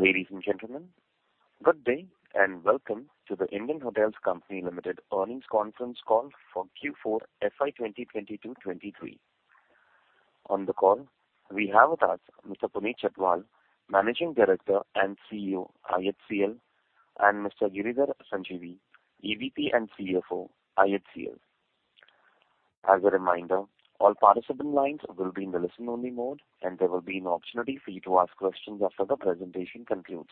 Ladies and gentlemen, good day and welcome to The Indian Hotels Company Limited Earnings Conference Call for Q4 FY2022-2023. On the call, we have with us Mr. Puneet Chhatwal, Managing Director and CEO, IHCL, and Mr. Giridhar Sanjeevi, EVP and CFO, IHCL. As a reminder, all participant lines will be in the listen-only mode, and there will be an opportunity for you to ask questions after the presentation concludes.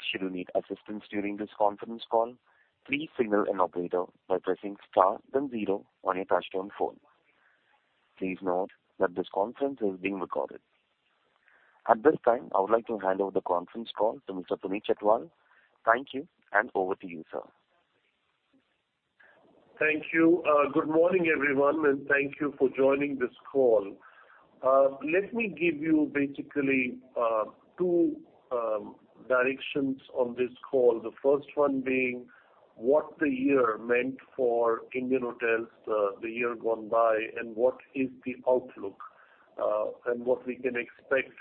Should you need assistance during this conference call, please signal an operator by pressing star then zero on your touchtone phone. Please note that this conference is being recorded. At this time, I would like to hand over the conference call to Mr. Puneet Chhatwal. Thank you, and over to you, sir. Thank you. Good morning, everyone, and thank you for joining this call. Let me give you basically two directions on this call. The first one being what the year meant for Indian Hotels, the year gone by, and what is the outlook, and what we can expect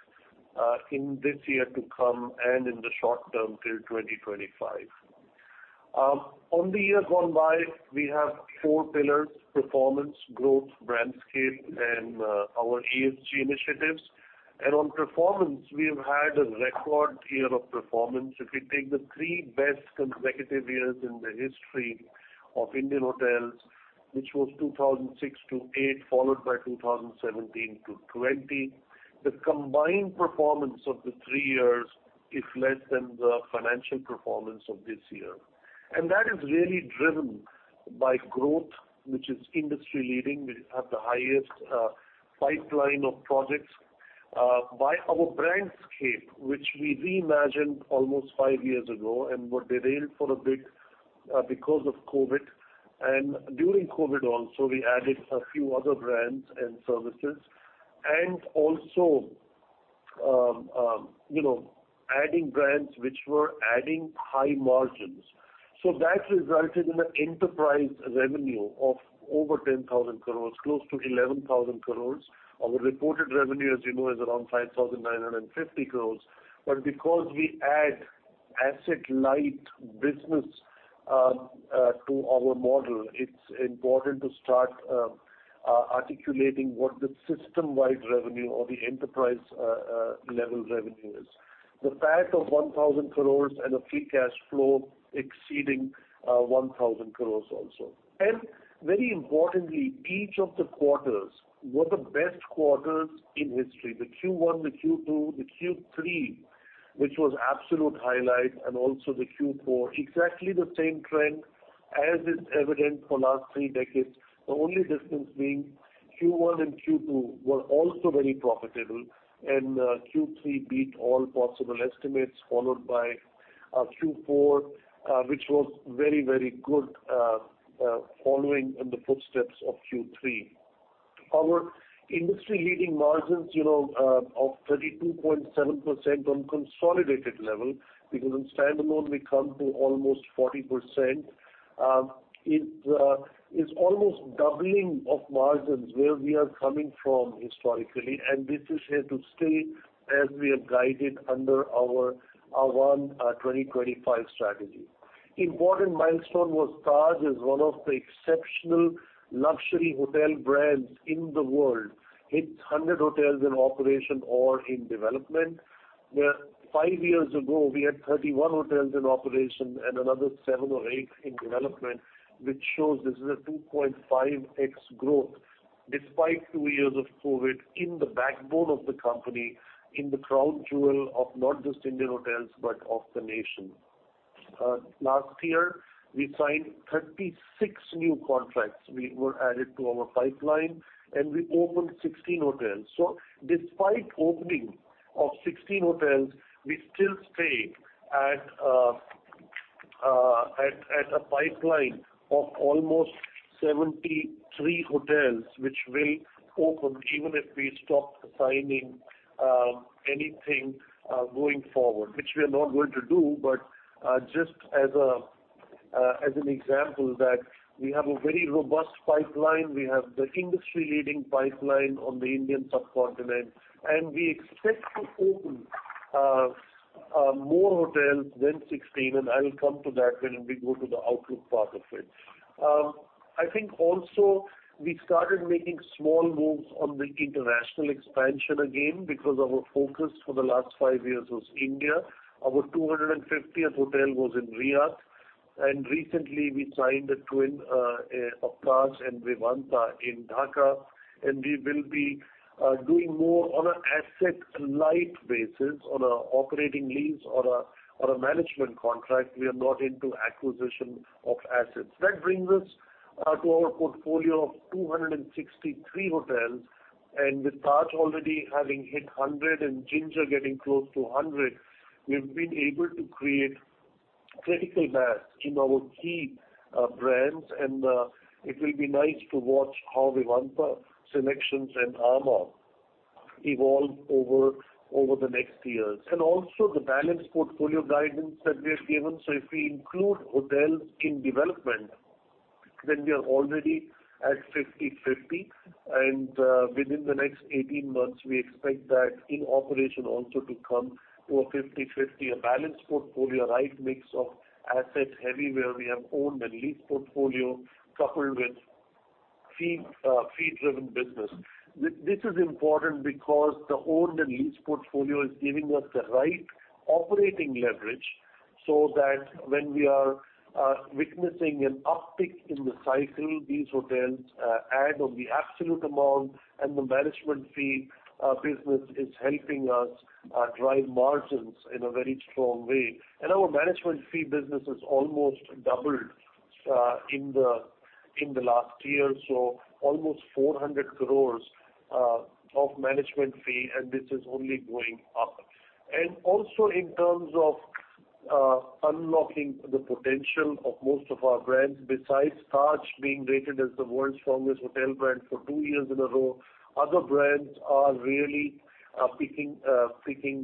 in this year to come and in the short term till 2025. On the year gone by, we have four pillars: performance, growth, brandscape, and our ESG initiatives. On performance, we have had a record year of performance. If you take the three best consecutive years in the history of Indian Hotels, which was 2006-2008, followed by 2017-2020, the combined performance of the 3 years is less than the financial performance of this year. That is really driven by growth, which is industry-leading. We have the highest pipeline of projects by our brandscape, which we reimagined almost five years ago and were derailed for a bit because of COVID. During COVID also, we added a few other brands and services. Also, you know, adding brands which were adding high margins. That resulted in an enterprise revenue of over 10,000 crores, close to 11,000 crores. Our reported revenue, as you know, is around 5,950 crores. Because we add asset-light business to our model, it's important to start articulating what the system-wide revenue or the enterprise level revenue is. The PAT of 1,000 crores and a free cash flow exceeding 1,000 crores also. Very importantly, each of the quarters were the best quarters in history. The Q1, the Q2, the Q3, which was absolute highlight, and also the Q4, exactly the same trend as is evident for last 3 decades. The only difference being Q1 and Q2 were also very profitable, and Q3 beat all possible estimates, followed by Q4, which was very, very good, following in the footsteps of Q3. Our industry-leading margins, you know, of 32.7% on consolidated level, because in standalone we come to almost 40%, it is almost doubling of margins where we are coming from historically, and this is here to stay as we have guided under our IHCL 2025 strategy. Important milestone was Taj is one of the exceptional luxury hotel brands in the world. It's 100 hotels in operation or in development, where 5 years ago we had 31 hotels in operation and another 7 or 8 in development, which shows this is a 2.5x growth despite 2 years of COVID in the backbone of the company, in the crown jewel of not just Indian Hotels, but of the nation. Last year, we signed 36 new contracts. Were added to our pipeline, and we opened 16 hotels. Despite opening of 16 hotels, we still stay at a pipeline of almost 73 hotels, which will open even if we stop signing anything going forward, which we are not going to do. Just as a as an example that we have a very robust pipeline. We have the industry-leading pipeline on the Indian subcontinent, and we expect to open more hotels than 16, and I will come to that when we go to the outlook part of it. I think also we started making small moves on the international expansion again, because our focus for the last five years was India. Our 250th hotel was in Riyadh, and recently we signed a twin of Taj and Vivanta in Dhaka, and we will be doing more on a asset-light basis on a operating lease or a management contract. We are not into acquisition of assets. That brings us to our portfolio of 263 hotels. With Taj already having hit 100 and Ginger getting close to 100, we've been able to create critical mass in our key brands. It will be nice to watch how Vivanta, SeleQtions and amã evolve over the next years. Also the balanced portfolio guidance that we have given. If we include hotels in development, then we are already at 50/50. Within the next 18 months, we expect that in operation also to come to a 50/50, a balanced portfolio, right mix of assets everywhere we have owned and leased portfolio coupled with fee-driven business. This is important because the owned and leased portfolio is giving us the right operating leverage so that when we are witnessing an uptick in the cycle, these hotels add on the absolute amount, and the management fee business is helping us drive margins in a very strong way. Our management fee business has almost doubled in the last year, so almost 400 crores of management fee, and this is only going up. Also in terms of unlocking the potential of most of our brands, besides Taj being rated as the world's strongest hotel brand for two years in a row, other brands are really picking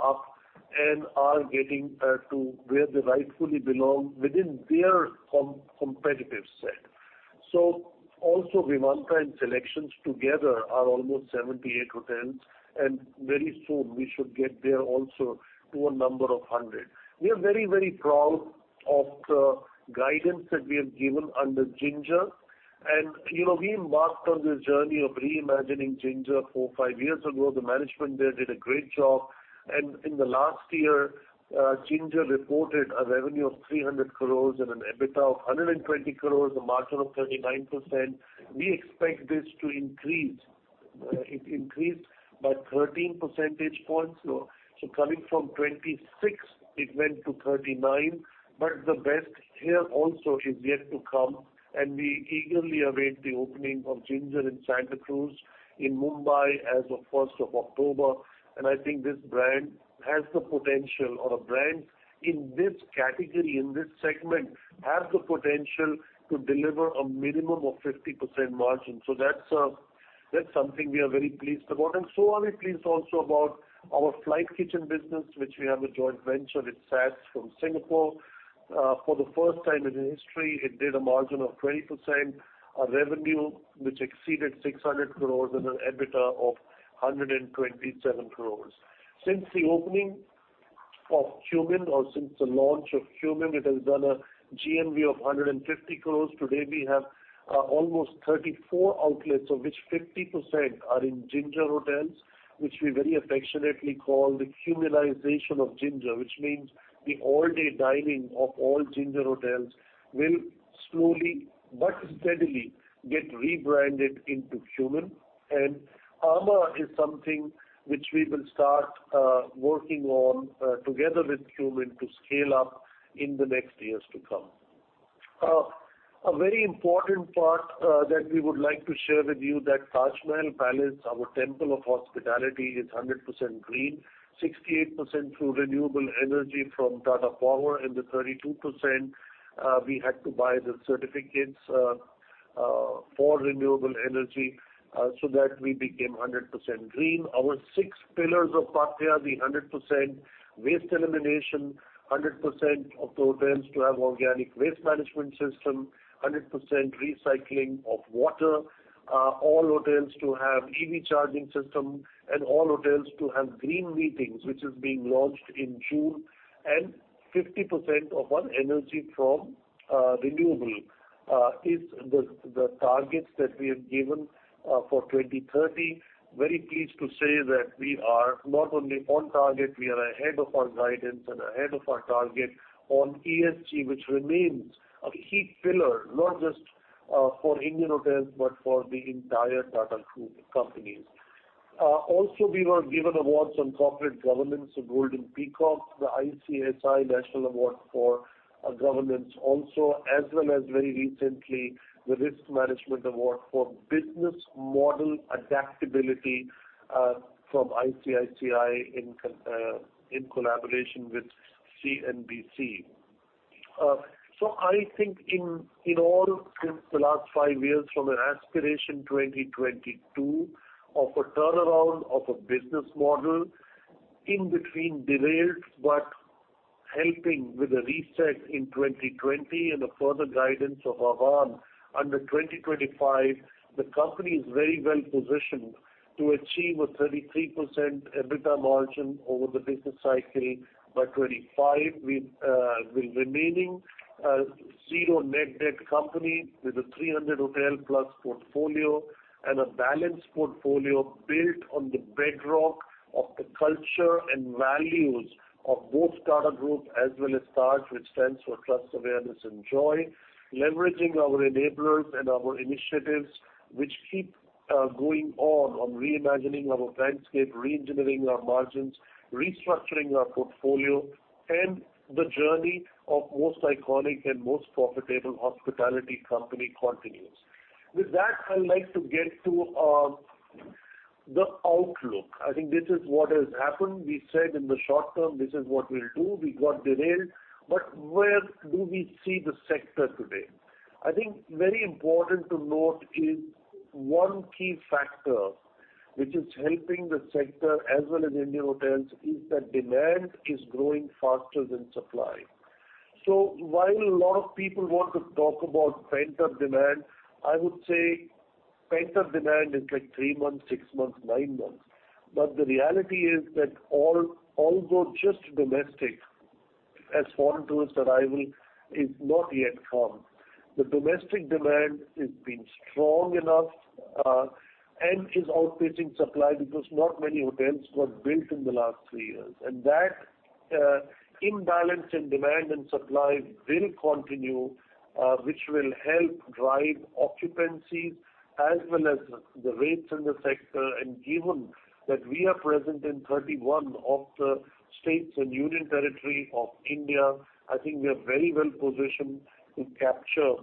up and are getting to where they rightfully belong within their competitive set. Also Vivanta and SeleQtions together are almost 78 hotels, and very soon we should get there also to a number of 100. We are very, very proud of the guidance that we have given under Ginger. You know, we embarked on this journey of reimagining Ginger four, five years ago. The management there did a great job. In the last year, Ginger reported a revenue of 300 crores and an EBITDA of 120 crores, a margin of 39%. We expect this to increase. It increased by 13 percentage points. Coming from 26, it went to 39. The best here also is yet to come, and we eagerly await the opening of Ginger in Santacruz in Mumbai as of 1st of October. I think this brand has the potential, or a brand in this category, in this segment, has the potential to deliver a minimum of 50% margin. That's something we are very pleased about. So are we pleased also about our flight kitchen business, which we have a joint venture with SATS from Singapore. For the first time in history, it did a margin of 20%, a revenue which exceeded 600 crores and an EBITDA of 127 crores. Since the opening of Qmin or since the launch of Qmin, it has done a GMV of 150 crores. Today, we have almost 34 outlets, of which 50% are in Ginger Hotels, which we very affectionately call the Qminization of Ginger, which means the all-day dining of all Ginger Hotels will slowly but steadily get rebranded into Qmin. amã is something which we will start working on together with Qmin to scale up in the next years to come. A very important part that we would like to share with you that Taj Mahal Palace, our temple of hospitality, is 100% green, 68% through renewable energy from Tata Power, and the 32%, we had to buy the certificates for renewable energy, so that we became 100% green. Our 6 pillars of Paathya, the 100% waste elimination, 100% of the hotels to have organic waste management system, 100% recycling of water, all hotels to have EV charging system, and all hotels to have green meetings, which is being launched in June, and 50% of our energy from renewable, is the targets that we have given for 2030. Very pleased to say that we are not only on target, we are ahead of our guidance and ahead of our target on ESG, which remains a key pillar, not just for Indian Hotels, but for the entire Tata Group companies. Also we were given awards on corporate governance, a Golden Peacock, the ICSI National Award for Governance also, as well as very recently the Risk Management Award for Business Model Adaptability from ICICI in collaboration with CNBC. I think in all since the last five years from an aspiration 2022 of a turnaround of a business model in between derailed, but helping with a reset in 2020 and a further guidance of Ahvaan 2025, the company is very well positioned to achieve a 33% EBITDA margin over the business cycle by 25 with remaining a zero net debt company with a 300 hotel+ portfolio and a balanced portfolio built on the bedrock of the culture and values of both Tata Group as well as Taj, which stands for Trust, Awareness, and Joy, leveraging our enablers and our initiatives which keep going on reimagining our landscape, reengineering our margins, restructuring our portfolio, and the journey of most iconic and most profitable hospitality company continues. With that, I'd like to get to the outlook. I think this is what has happened. We said in the short term, this is what we'll do. We got derailed. Where do we see the sector today? I think very important to note is one key factor which is helping the sector as well as Indian Hotels is that demand is growing faster than supply. While a lot of people want to talk about pent-up demand, I would say pent-up demand is like three months, six months, nine months. The reality is that all, although just domestic as foreign tourist arrival is not yet formed, the domestic demand has been strong enough, and is outpacing supply because not many hotels were built in the last three years. That imbalance in demand and supply will continue, which will help drive occupancies as well as the rates in the sector. Given that we are present in 31 of the states and union territory of India, I think we are very well positioned to capture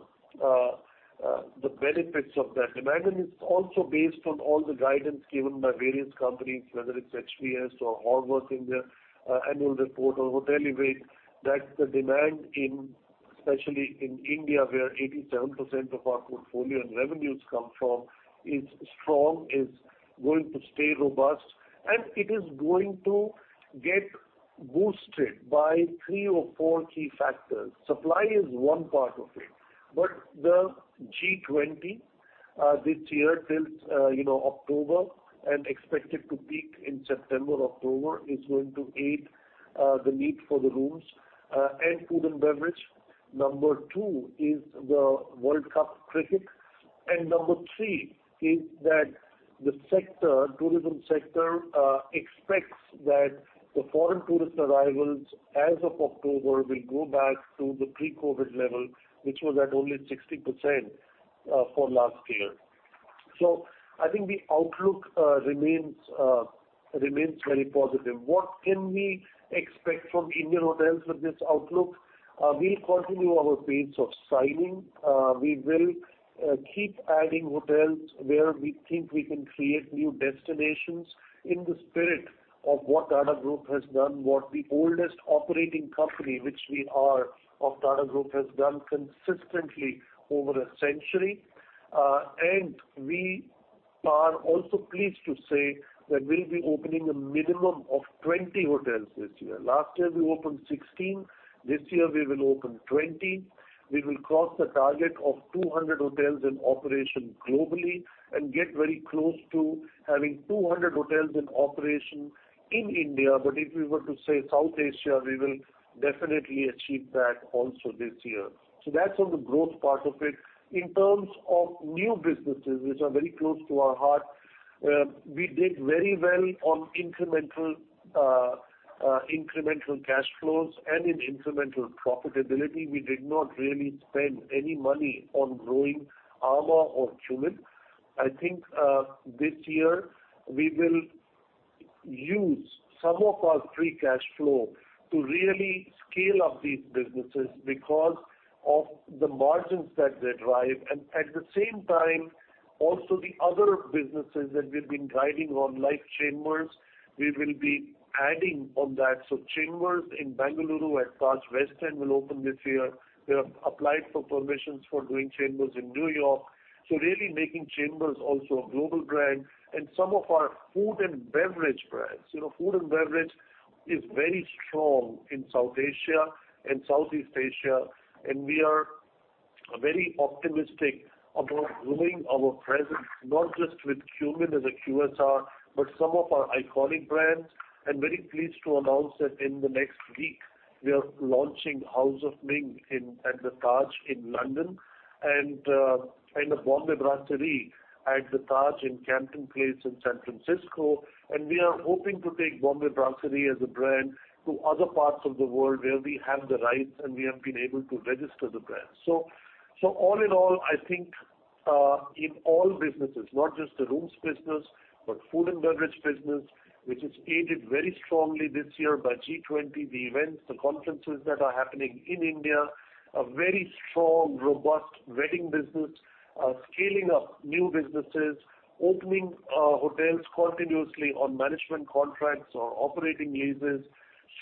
the benefits of that demand. It's also based on all the guidance given by various companies, whether it's HVS or Horwath India, annual report or Hotelivate, that the demand in, especially in India, where 87% of our portfolio and revenues come from, is strong, is going to stay robust, and it is going to get boosted by three or four key factors. Supply is one part of it, but the G20 this year till, you know, October and expected to peak in September, October, is going to aid the need for the rooms and food and beverage. Number two is the Cricket World Cup. Number three is that the sector, tourism sector, expects that the foreign tourist arrivals as of October will go back to the pre-COVID level, which was at only 60% for last year. I think the outlook remains very positive. What can we expect from Indian Hotels with this outlook? We'll continue our pace of signing. We will keep adding hotels where we think we can create new destinations in the spirit of what Tata Group has done, what the oldest operating company, which we are, of Tata Group, has done consistently over a century. We are also pleased to say that we'll be opening a minimum of 20 hotels this year. Last year, we opened 16. This year we will open 20. We will cross the target of 200 hotels in operation globally and get very close to having 200 hotels in operation in India. If we were to say South Asia, we will definitely achieve that also this year. That's on the growth part of it. In terms of new businesses which are very close to our heart, we did very well on incremental incremental cash flows and in incremental profitability. We did not really spend any money on growing amã or Qmin. I think this year we will use some of our free cash flow to really scale up these businesses because of the margins that they drive. At the same time, also the other businesses that we've been driving on, like The Chambers, we will be adding on that. The Chambers in Bengaluru at Taj West End will open this year. We have applied for permissions for doing Chambers in New York. Really making Chambers also a global brand. Some of our food and beverage brands, you know, food and beverage is very strong in South Asia and Southeast Asia, and we are very optimistic about growing our presence, not just with Qmin as a QSR, but some of our iconic brands. I'm very pleased to announce that in the next week we are launching House of Ming at the Taj in London and a Bombay Brasserie at the Taj in Campton Place in San Francisco. We are hoping to take Bombay Brasserie as a brand to other parts of the world where we have the rights and we have been able to register the brand. All in all, I think, in all businesses, not just the rooms business, but food and beverage business, which is aided very strongly this year by G20, the events, the conferences that are happening in India, a very strong, robust wedding business, scaling up new businesses, opening hotels continuously on management contracts or operating leases.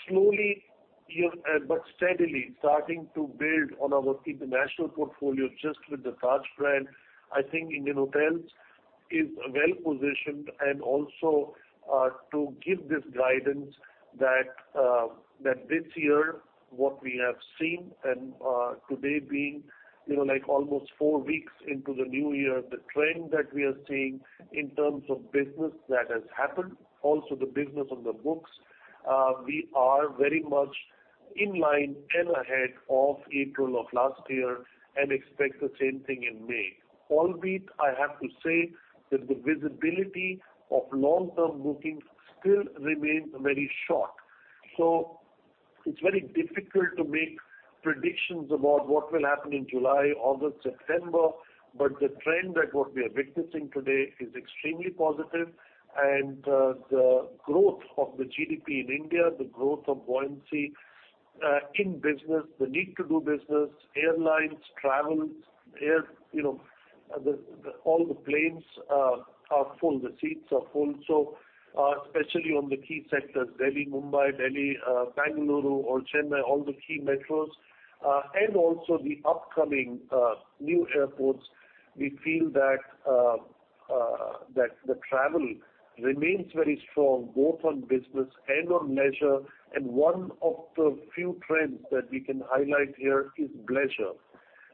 Slowly, you know, but steadily starting to build on our international portfolio just with the Taj brand. I think Indian Hotels is well positioned and also, to give this guidance that this year what we have seen and, today being, you know, like almost four weeks into the new year, the trend that we are seeing in terms of business that has happened, also the business on the books, we are very much in line and ahead of April of last year and expect the same thing in May. Albeit I have to say that the visibility of long-term bookings still remains very short. It's very difficult to make predictions about what will happen in July, August, September. The trend that what we are witnessing today is extremely positive. The growth of the GDP in India, the growth of buoyancy in business, the need to do business, airlines, travel, air, you know, all the planes are full, the seats are full. Especially on the key sectors, Delhi, Mumbai, Delhi, Bengaluru or Chennai, all the key metros, and also the upcoming new airports, we feel that the travel remains very strong, both on business and on leisure. One of the few trends that we can highlight here is bleisure.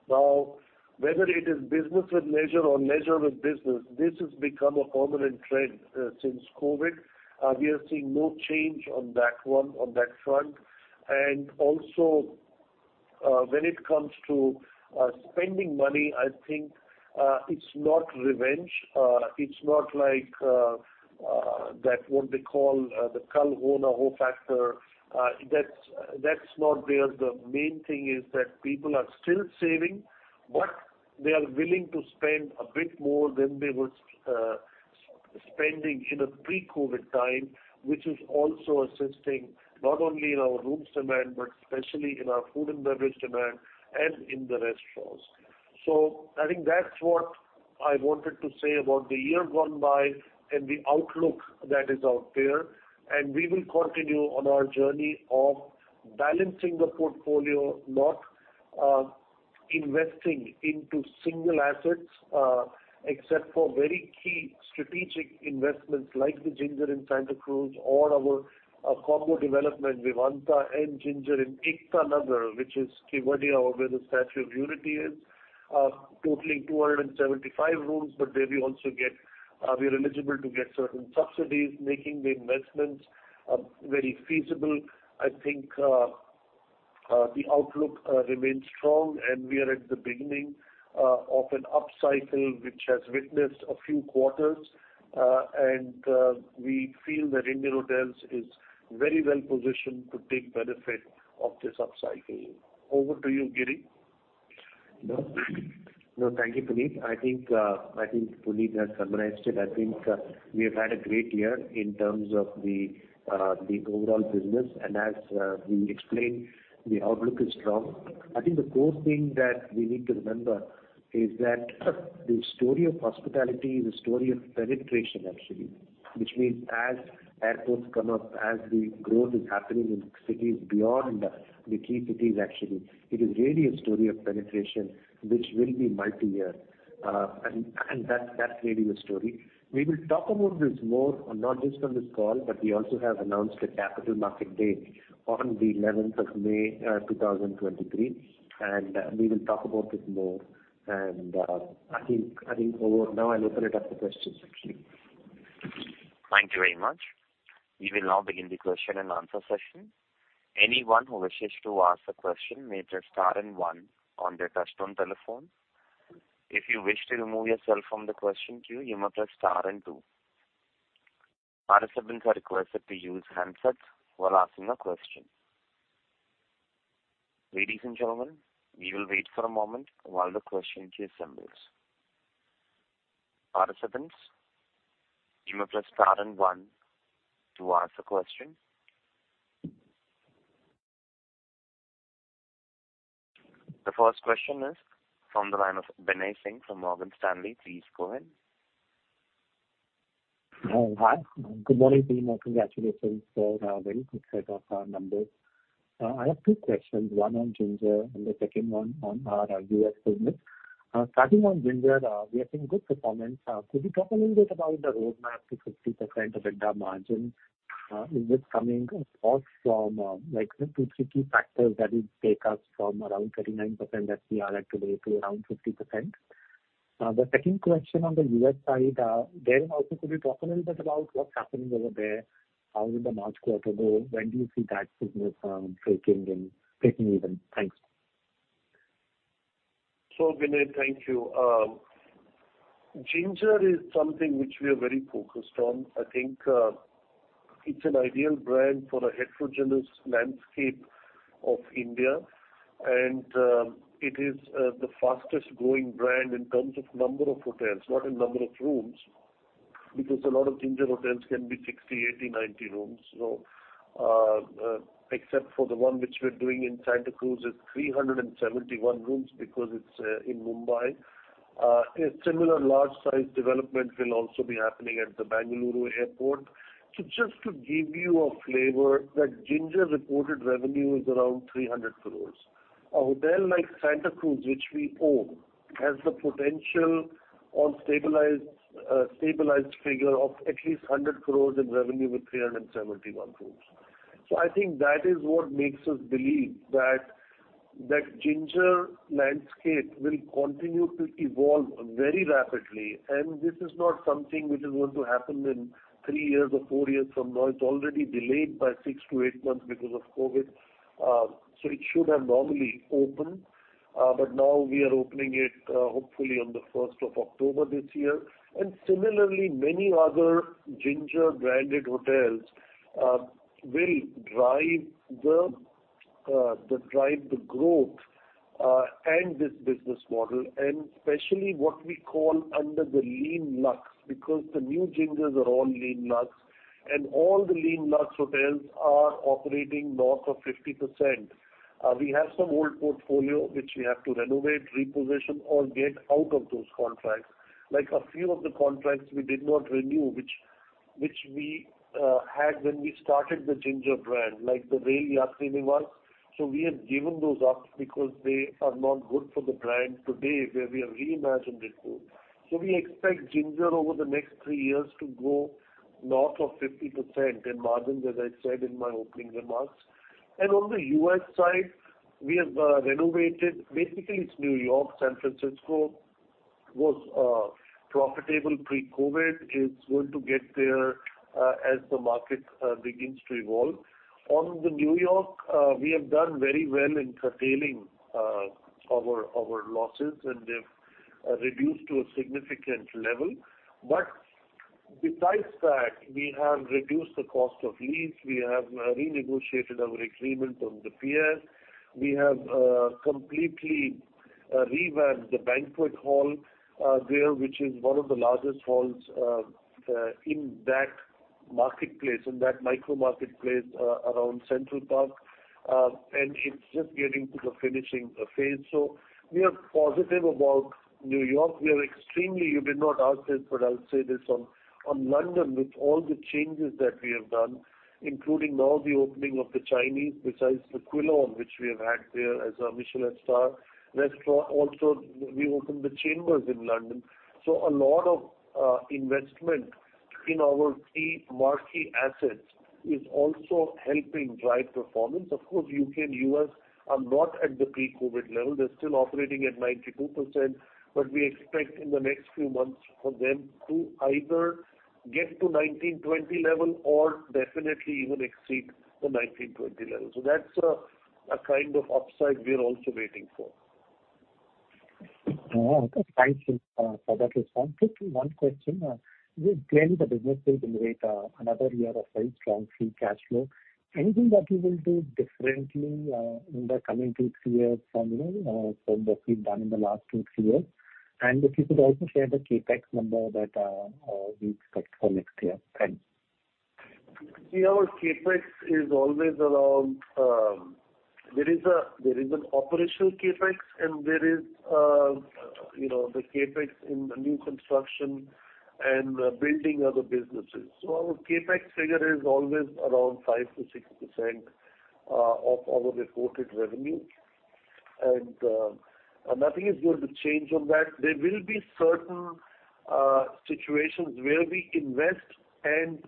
Whether it is business with leisure or leisure with business, this has become a prominent trend since COVID. We are seeing no change on that one, on that front. Also, when it comes to spending money, I think, it's not revenge. It's not like that what they call the Kal Ho Naa Ho factor. That's not there. The main thing is that people are still saving, but they are willing to spend a bit more than they were spending in a pre-COVID time, which is also assisting not only in our room demand, but especially in our food and beverage demand and in the restaurants. I think that's what I wanted to say about the year gone by and the outlook that is out there. We will continue on our journey of balancing the portfolio, not investing into single assets, except for very key strategic investments like the Ginger in Santacruz or our combo development Vivanta and Ginger in Ekta Nagar, which is Kevadia, or where the Statue of Unity is, totaling 275 rooms. There we also get, we are eligible to get certain subsidies, making the investments very feasible. I think, the outlook remains strong, and we are at the beginning of an upcycle, which has witnessed a few quarters. We feel that IHCL is very well positioned to take benefit of this upcycle. Over to you, Giri. No. Thank you, Puneet. I think Puneet has summarized it. We have had a great year in terms of the overall business. As we explained, the outlook is strong. I think the core thing that we need to remember is that the story of hospitality is a story of penetration actually, which means as airports come up, as the growth is happening in cities beyond the key cities actually, it is really a story of penetration which will be multiyear. That's really the story. We will talk about this more, not just on this call, but we also have announced a Capital Markets Day on the 11th of May, 2023, and we will talk about this more. I think for now I'll open it up for questions actually. Thank you very much. We will now begin the question-and-answer session. Anyone who wishes to ask a question may press star and one on their touchtone telephone. If you wish to remove yourself from the question queue, you may press star and two. Participants are requested to use handsets while asking a question. Ladies and gentlemen, we will wait for a moment while the question queue assembles. Participants, you may press star and one to ask a question. The first question is from the line of Binay Singh from Morgan Stanley. Please go ahead. Hi. Good morning to you. Congratulations for a very good set of numbers. I have two questions, one on Ginger and the second one on our US business. Starting on Ginger, we have seen good performance. Could you talk a little bit about the roadmap to 50% EBITDA margin? Is this coming across from like the two, three key factors that will take us from around 39% that we are at today to around 50%? The second question on the US side, there also could you talk a little bit about what's happening over there? How did the March quarter go? When do you see that business breaking even? Thanks. Binay, thank you. Ginger is something which we are very focused on. I think it's an ideal brand for a heterogeneous landscape of India, and it is the fastest growing brand in terms of number of hotels, not in number of rooms, because a lot of Ginger hotels can be 60, 80, 90 rooms. Except for the one which we're doing in Santa Cruz is 371 rooms because it's in Mumbai. A similar large size development will also be happening at the Bengaluru airport. Just to give you a flavor that Ginger reported revenue is around 300 crores. A hotel like Santa Cruz, which we own, has the potential on stabilized figure of at least 100 crores in revenue with 371 rooms. I think that is what makes us believe that Ginger landscape will continue to evolve very rapidly. This is not something which is going to happen in 3 years or 4 years from now. It's already delayed by 6 to 8 months because of COVID. So it should have normally opened, but now we are opening it hopefully on the 1st of October this year. Similarly, many other Ginger branded hotels will drive the growth and this business model, and especially what we call under the lean luxe, because the new Gingers are all lean luxe, and all the lean luxe hotels are operating north of 50%. We have some old portfolio which we have to renovate, reposition, or get out of those contracts. Like a few of the contracts we did not renew, which we had when we started the Ginger brand, like the Lean Luxury one. We have given those up because they are not good for the brand today, where we have reimagined the group. We expect Ginger over the next 3 years to grow north of 50% in margin, as I said in my opening remarks. On the U.S. side, we have renovated, basically it's New York, San Francisco, was profitable pre-COVID, it's going to get there as the market begins to evolve. On the New York, we have done very well in curtailing our losses, and they've reduced to a significant level. Besides that, we have reduced the cost of lease. We have renegotiated our agreement on the The Pierre. We have completely revamped the banquet hall there, which is one of the largest halls in that marketplace, in that micro-marketplace, around Central Park. It's just getting to the finishing phase. We are positive about New York. You did not ask this, but I'll say this. On London, with all the changes that we have done, including now the opening of the Chinese, besides Quilon, which we have had there as a Michelin-starred restaurant, also we opened The Chambers in London. A lot of investment in our key marquee assets is also helping drive performance. Of course, U.K. and U.S. are not at the pre-COVID level. They're still operating at 92%. We expect in the next few months for them to either get to 19, 20 level or definitely even exceed the 19, 20 level. That's a kind of upside we're also waiting for. Okay. Thank you, for that response. Just one question. You claim the business will generate another year of very strong free cash flow. Anything that you will do differently, in the coming two, three years from, you know, from what you've done in the last two, three years? If you could also share the CapEx number that, we expect for next year. Thanks. Our CapEx is always around. There is an operational CapEx, and there is, you know, the CapEx in the new construction and building other businesses. Our CapEx figure is always around 5%-6% of our reported revenue. Nothing is going to change on that. There will be certain situations where we invest, and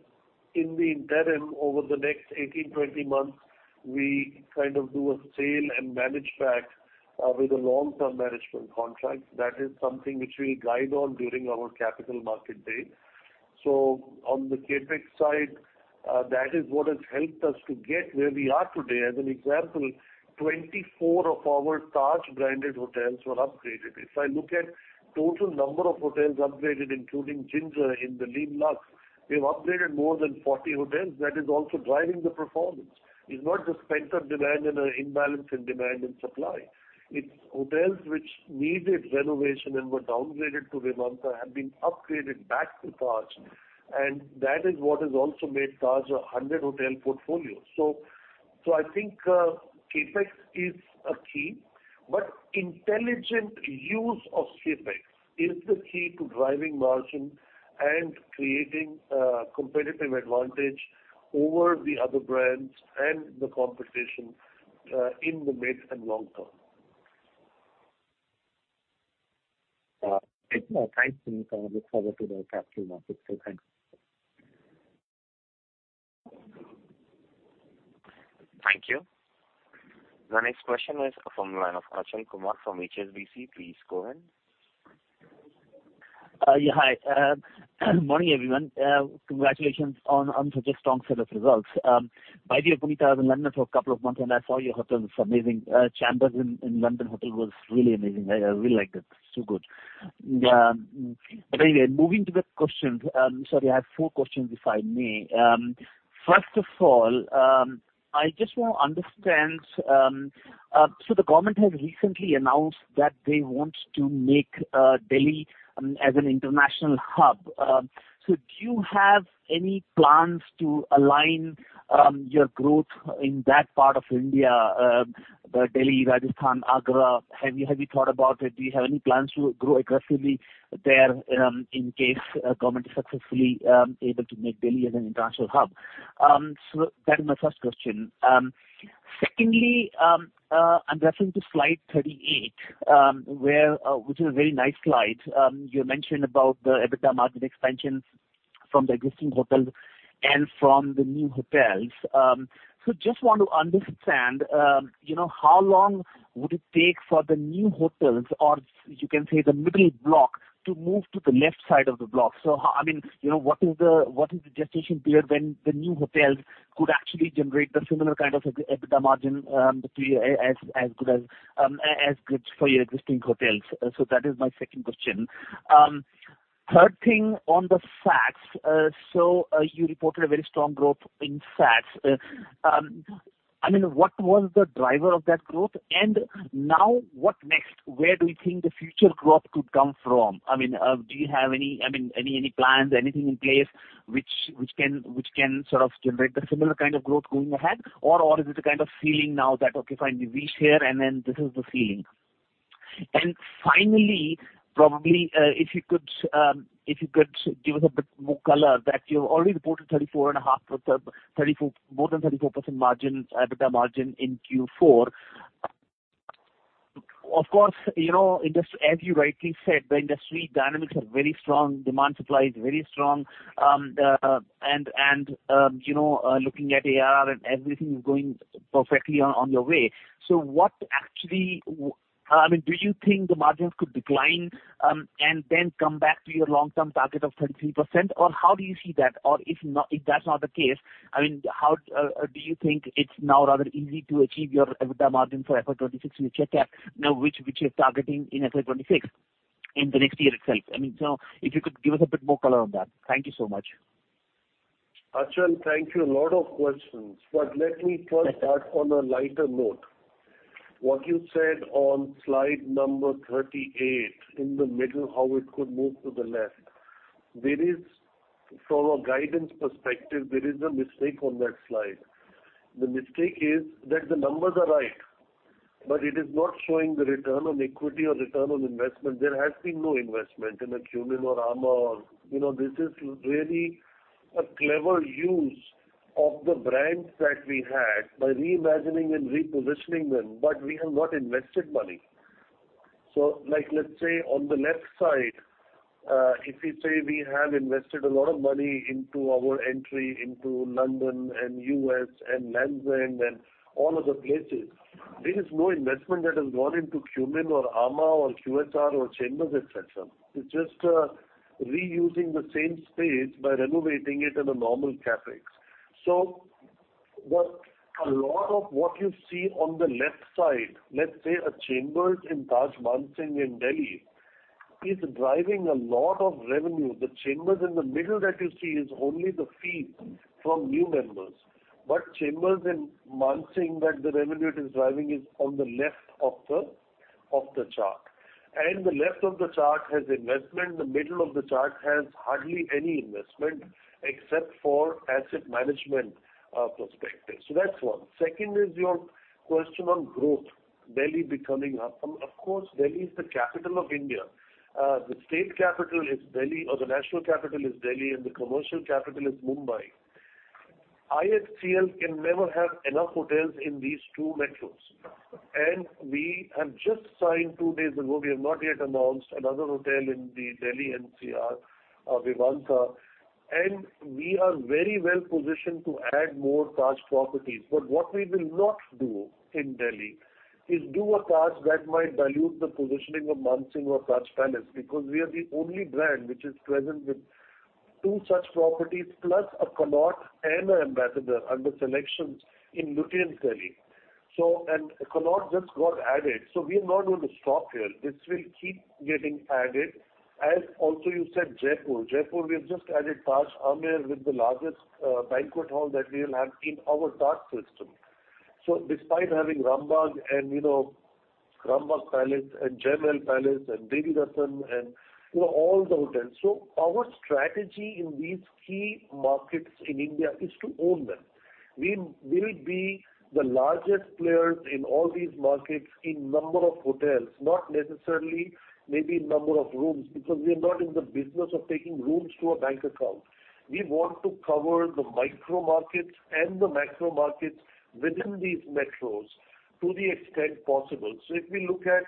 in the interim, over the next 18-20 months, we kind of do a sale and manage back with a long-term management contract. That is something which we'll guide on during our Capital Markets Day. On the CapEx side, that is what has helped us to get where we are today. As an example, 24 of our Taj branded hotels were upgraded. If I look at total number of hotels upgraded, including Ginger in the lean months, we've upgraded more than 40 hotels. That is also driving the performance. It's not just pent-up demand and a imbalance in demand and supply. It's hotels which needed renovation and were downgraded to Vivanta have been upgraded back to Taj, and that is what has also made Taj a 100 hotel portfolio. I think CapEx is a key, but intelligent use of CapEx is the key to driving margin and creating competitive advantage over the other brands and the competition in the mid and long term. It's no. Thank you. I look forward to the Capital Markets Day. Thank you. Thank you. The next question is from the line of Achal Kumar from HSBC. Please go ahead. Hi. Morning, everyone. Congratulations on such a strong set of results. By the way, Puneet, I was in London for a couple of months, and I saw your hotel. It's amazing. Chambers in London hotel was really amazing. I really liked it. It's too good. Anyway, moving to the questions. Sorry, I have four questions, if I may. First of all, I just want to understand, so the government has recently announced that they want to make Delhi as an international hub. Do you have any plans to align your growth in that part of India, Delhi, Rajasthan, Agra? Have you thought about it? Do you have any plans to grow aggressively there, in case government is successfully able to make Delhi as an international hub? That is my first question. Secondly, I'm referring to slide 38, which is a very nice slide. You mentioned about the EBITDA margin expansions from the existing hotels and from the new hotels. Just want to understand, you know, how long would it take for the new hotels, or you can say the middle block, to move to the left side of the block? I mean, you know, what is the gestation period when the new hotels could actually generate the similar kind of EBITDA margin as good as for your existing hotels? That is my second question. Third thing on the SATS. So, you reported a very strong growth in SATS. I mean, what was the driver of that growth? Now what next? Where do you think the future growth could come from? I mean, do you have any, I mean, any plans, anything in place which can sort of generate the similar kind of growth going ahead? Or, or is it a kind of ceiling now that, okay, fine, we reach here, and then this is the ceiling? Finally, probably, if you could, if you could give us a bit more color that you have already reported more than 34% margins, EBITDA margin in Q4. Of course, you know, as you rightly said, the industry dynamics are very strong, demand supply is very strong. You know, looking at ARR and everything is going perfectly on your way. What actually, I mean, do you think the margins could decline and then come back to your long-term target of 33%? How do you see that? If that's not the case, I mean, how, or do you think it's now rather easy to achieve your EBITDA margin for FY 2026, which you have now, which you're targeting in FY 2026, in the next year itself? I mean, if you could give us a bit more color on that. Thank you so much. Achal, thank you. A lot of questions, but let me first start on a lighter note. What you said on slide number 38 in the middle, how it could move to the left. There is, from a guidance perspective, there is a mistake on that slide. The mistake is that the numbers are right, but it is not showing the return on equity or return on investment. There has been no investment in a Qmin or amã. This is really a clever use of the brands that we had by reimagining and repositioning them, but we have not invested money. Let's say, on the left side, if we say we have invested a lot of money into our entry into London and U.S. and Taj Lands End and all other places, there is no investment that has gone into Qmin or amã or QHR or Chambers, et cetera. It's just reusing the same space by renovating it at a normal CapEx. A lot of what you see on the left side, let's say a Chambers in Taj Mansingh in Delhi, is driving a lot of revenue. The Chambers in the middle that you see is only the fee from new members. Chambers in Mansingh that the revenue it is driving is on the left of the chart. The left of the chart has investment, the middle of the chart has hardly any investment except for asset management perspective. That's one. Second is your question on growth, Delhi becoming hub. Of course, Delhi is the capital of India. The state capital is Delhi or the national capital is Delhi, and the commercial capital is Mumbai. IHCL can never have enough hotels in these two metros. We have just signed two days ago, we have not yet announced another hotel in the Delhi NCR, Vivanta. We are very well positioned to add more Taj properties. What we will not do in Delhi is do a Taj that might dilute the positioning of Mansingh or Taj Palace, because we are the only brand which is present with two such properties, plus a Connaught and an Ambassador under SeleQtions in Lutyens' Delhi. Connaught just got added, we are not going to stop here. This will keep getting added. You said Jaipur. Jaipur we have just added Taj Amer with the largest banquet hall that we'll have in our Taj system. Despite having Rambagh and Rambagh Palace and Jai Mahal Palace and Devi Ratn, and all the hotels. Our strategy in these key markets in India is to own them. We will be the largest players in all these markets in number of hotels, not necessarily maybe in number of rooms, because we are not in the business of taking rooms to a bank account. We want to cover the micro markets and the macro markets within these metros to the extent possible. If we look at,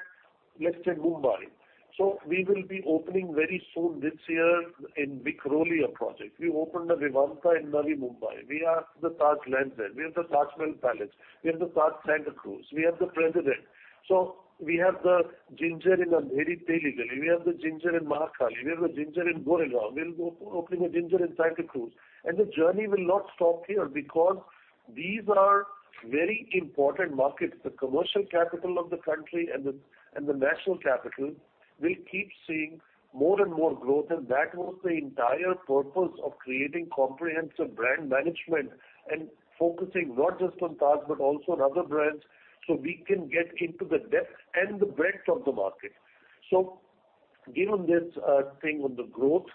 let's say, Mumbai, we will be opening very soon this year in Vikhroli a project. We opened a Vivanta in Navi Mumbai. We have the Taj Lands End, we have the Taj Mahal Palace, we have the Taj Santacruz, we have the President. We have the Ginger in Andheri Kurla. We have the Ginger in Mahakali. We have a Ginger in Goregaon. We'll be opening a Ginger in Santacruz. The journey will not stop here because these are very important markets. The commercial capital of the country and the national capital will keep seeing more and more growth. That was the entire purpose of creating comprehensive brand management and focusing not just on Taj but also on other brands, so we can get into the depth and the breadth of the market. Given this thing on the growth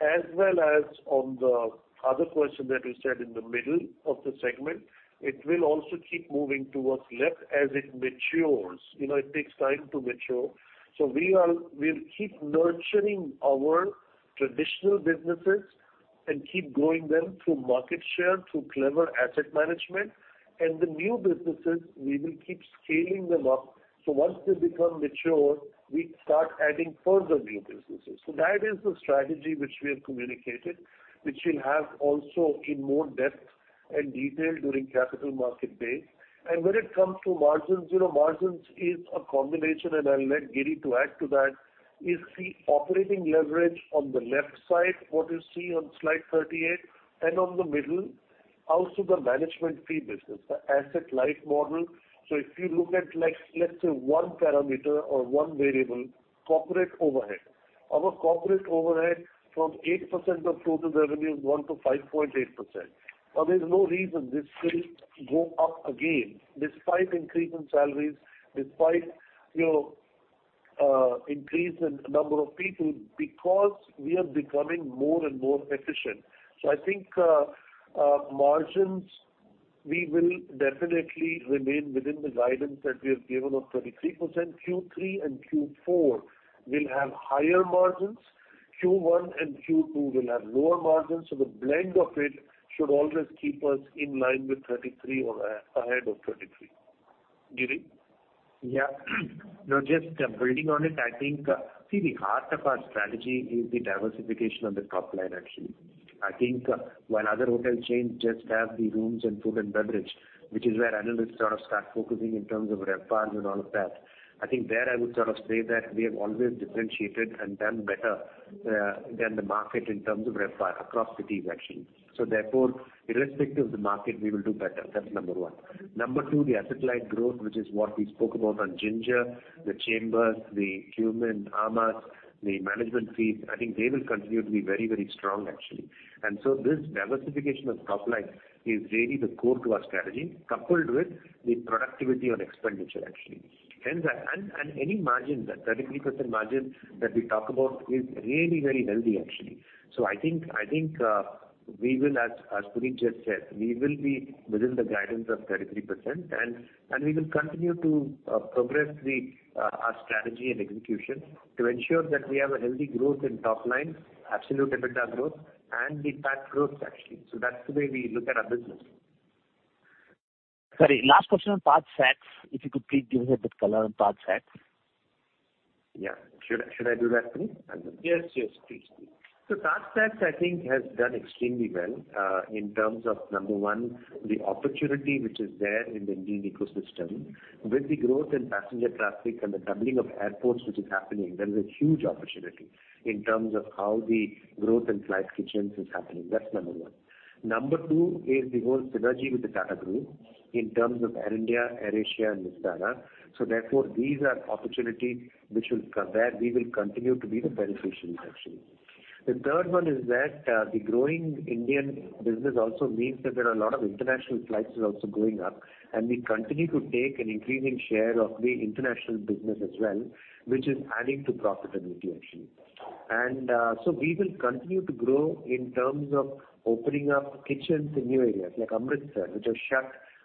as well as on the other question that you said in the middle of the segment, it will also keep moving towards left as it matures. You know, it takes time to mature. We'll keep nurturing our traditional businesses and keep growing them through market share, through clever asset management. The new businesses, we will keep scaling them up, so once they become mature, we start adding further new businesses. That is the strategy which we have communicated, which we'll have also in more depth and detail during Capital Markets Day. When it comes to margins, you know, margins is a combination, and I'll let Giri to add to that, is the operating leverage on the left side, what you see on slide 38, and on the middle, also the management fee business, the asset life model. If you look at like, let's say, one parameter or one variable, corporate overhead. Our corporate overhead from 8% of total revenue has gone to 5.8%. There's no reason this will go up again despite increase in salaries, despite, you know, increase in number of people, because we are becoming more and more efficient. I think, margins, we will definitely remain within the guidance that we have given of 33%. Q3 and Q4 will have higher margins. Q1 and Q2 will have lower margins. The blend of it should always keep us in line with 33 or ahead of 33. Giri? No, just building on it see the heart of our strategy is the diversification on the top line actually. I think while other hotel chains just have the rooms and food and beverage, which is where analysts sort of start focusing in terms of RevPAR and all of that, I think there I would sort of say that we have always differentiated and done better than the market in terms of RevPAR across cities actually. Irrespective of the market, we will do better. That's number one. Number two, the asset light growth, which is what we spoke about on Ginger, The Chambers, Qmin, amã, the management fees, I think they will continue to be very, very strong actually. This diversification of top line is really the core to our strategy, coupled with the productivity on expenditure actually. Hence And, and any margin, that 33% margin that we talk about is really very healthy actually. I think, I think, we will as Puneet just said, we will be within the guidance of 33%, and we will continue to progress the our strategy and execution to ensure that we have a healthy growth in top line, absolute EBITDA growth, and the PAT growth actually. That's the way we look at our business. Sorry, last question on TajSATS. If you could please give us a bit color on TajSATS. Should I do that, Puneet? Yes, yes, please. TajSATS I think has done extremely well, in terms of, one, the opportunity which is there in the Indian ecosystem. With the growth in passenger traffic and the doubling of airports which is happening, there is a huge opportunity in terms of how the growth in flight kitchens is happening. That's one. Two is the whole synergy with the Tata Group in terms of Air India, AirAsia, and Vistara. Therefore, these are opportunities which will come there. We will continue to be the beneficiary actually. The third one is that the growing Indian business also means that there are a lot of international flights are also going up, and we continue to take an increasing share of the international business as well, which is adding to profitability actually. We will continue to grow in terms of opening up kitchens in new areas like Amritsar, which was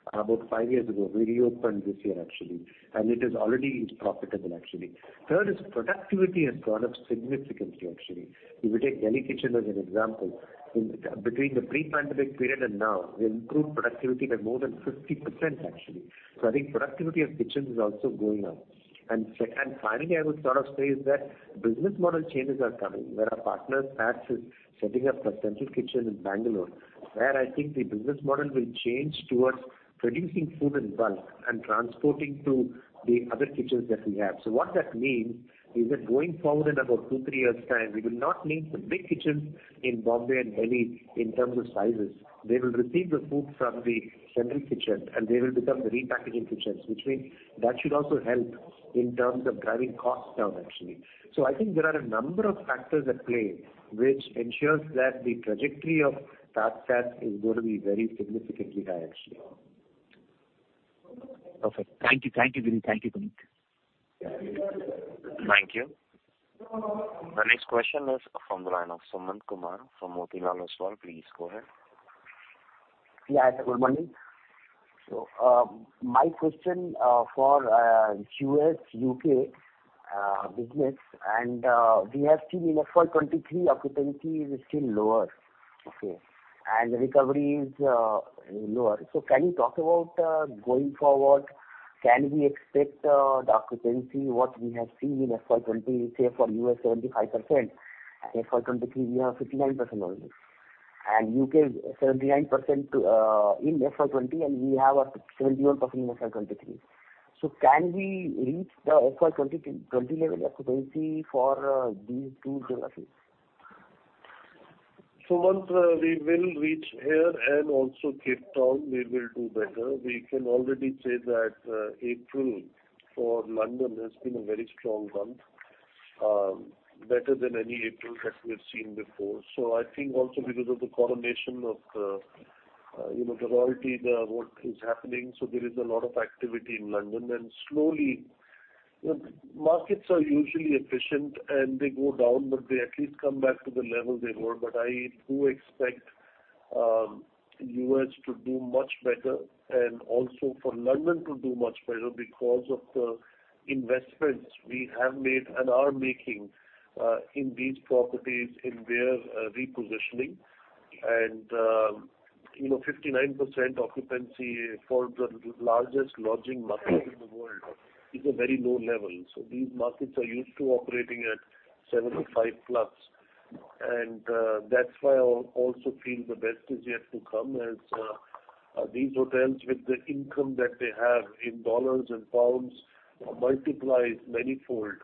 shut about five years ago. We reopened this year actually, and it is already profitable actually. Third is productivity has gone up significantly actually. If you take Delhi kitchen as an example, between the pre-pandemic period and now, we improved productivity by more than 50% actually. I think productivity of kitchens is also going up. Finally, I would sort of say is that business model changes are coming, where our partner Taj is setting up a central kitchen in Bangalore, where I think the business model will change towards producing food in bulk and transporting to the other kitchens that we have. What that means is that going forward in about two, three years' time, we will not need the big kitchens in Bombay and Delhi in terms of sizes. They will receive the food from the central kitchen, and they will become the repackaging kitchens, which means that should also help in terms of driving costs down actually. I think there are a number of factors at play which ensures that the trajectory of TajSATS is going to be very significantly high actually. Perfect. Thank you. Thank you, Giri. Thank you, Puneet. Thank you. The next question is from the line of Sumant Kumar from Motilal Oswal. Please go ahead. Good morning. My question for U.S., U.K. business, we have seen in FY23 occupancy is still lower, okay? The recovery is lower. Can you talk about going forward, can we expect the occupancy what we have seen in FY20, say for U.S. 75%, and FY23 we have 59% only, and U.K. 79% in FY20, and we have 71% in FY23? Can we reach the FY20 level occupancy for these two geographies? Sumant, we will reach here and also Cape Town we will do better. We can already say that April for London has been a very strong month, better than any April that we have seen before. I think also because of the coronation of, you know, the royalty, what is happening, there is a lot of activity in London. Slowly, you know, markets are usually efficient, and they go down, but they at least come back to the level they were. I do expect U.S. to do much better and also for London to do much better because of the investments we have made and are making in these properties, in their repositioning. You know, 59% occupancy for the largest lodging market in the world is a very low level. These markets are used to operating at 75+. That's why I also feel the best is yet to come as these hotels with the income that they have in dollars and pounds multiplies manifold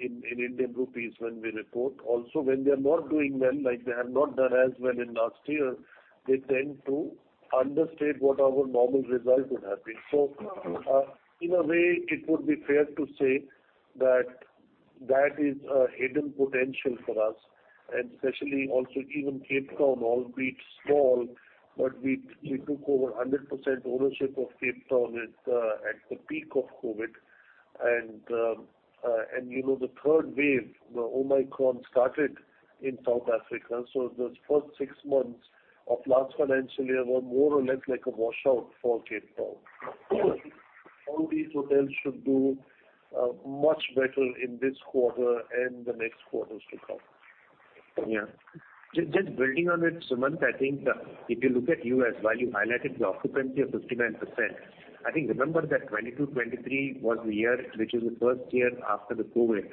in Indian rupees when we report. When they are not doing well, like they have not done as well in last year, they tend to understate what our normal result would have been. In a way, it would be fair to say that that is a hidden potential for us. Especially also even Cape Town, albeit small, but we took over 100% ownership of Cape Town at the peak of COVID. You know the third wave, the Omicron started in South Africa. The first six months of last financial year were more or less like a washout for Cape Town. All these hotels should do much better in this quarter and the next quarters to come. Just building on it, Sumant, I think that if you look at US, while you highlighted the occupancy of 59%, I think remember that 2022, 2023 was the year which is the first year after the COVID,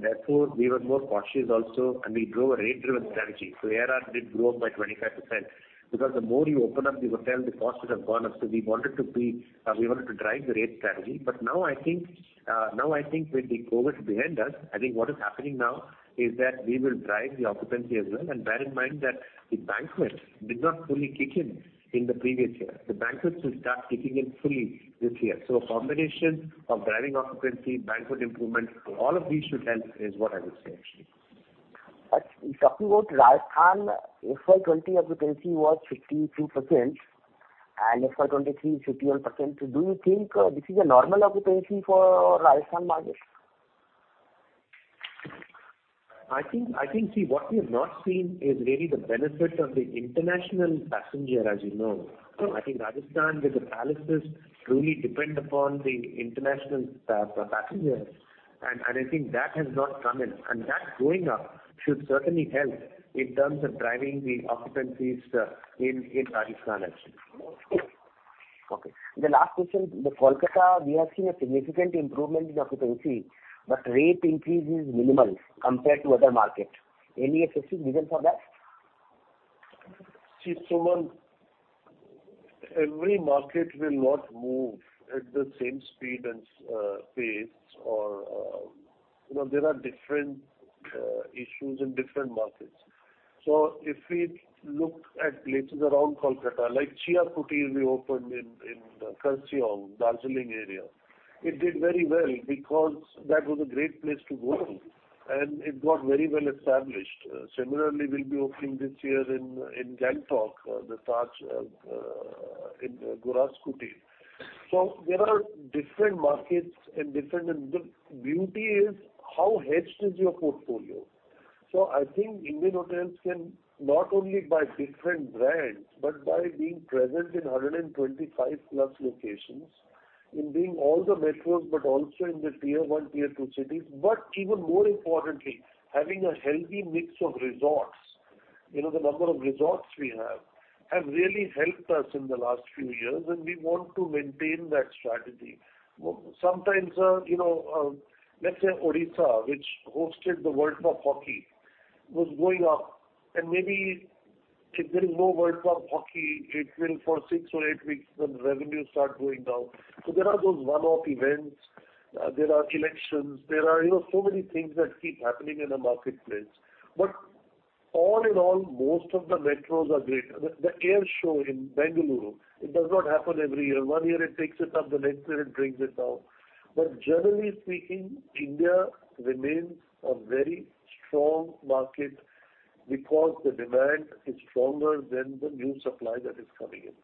therefore we were more cautious also, we drove a rate-driven strategy. ARR did grow up by 25%. Because the more you open up the hotel, the costs will have gone up. We wanted to drive the rate strategy. Now I think, now I think with the COVID behind us, I think what is happening now is that we will drive the occupancy as well. Bear in mind that the banquet did not fully kick in in the previous year. The banquet will start kicking in fully this year. A combination of driving occupancy, banquet improvement, all of these should help, is what I would say, actually. Talking about Rajasthan, FY 20 occupancy was 52% and FY 23, 51%. Do you think this is a normal occupancy for Rajasthan market? I think, what we have not seen is really the benefit of the international passenger, as you know. I think Rajasthan with the palaces truly depend upon the international passengers, and I think that has not come in. That going up should certainly help in terms of driving the occupancies, in Rajasthan, actually. Okay. The last question, the Kolkata, we have seen a significant improvement in occupancy, but rate increase is minimal compared to other market. Any specific reason for that? Sumant, every market will not move at the same speed and pace or. You know, there are different issues in different markets. If we look at places around Kolkata, like Chia Kutir we opened in Kurseong, Darjeeling area, it did very well because that was a great place to go to, and it got very well established. Similarly, we'll be opening this year in Gangtok, the Taj in Guras Kutir. There are different markets and different. The beauty is how hedged is your portfolio. I think Indian Hotels can not only by different brands, but by being present in 125+ locations, in being all the metros, but also in the Tier 1, Tier 2 cities. Even more importantly, having a healthy mix of resorts. the number of resorts we have has really helped us in the last few years, and we want to maintain that strategy. Sometimes, let's say Odisha, which hosted the World Cup Hockey, was going up. Maybe if there is no World Cup Hockey, it will for six or eight weeks, the revenue start going down. There are those one-off events, there are elections, there are, you know, so many things that keep happening in a marketplace. All in all, most of the metros are great. The air show in Bengaluru, it does not happen every year. One year it takes it up, the next year it brings it down. Generally speaking, India remains a very strong market because the demand is stronger than the new supply that is coming in.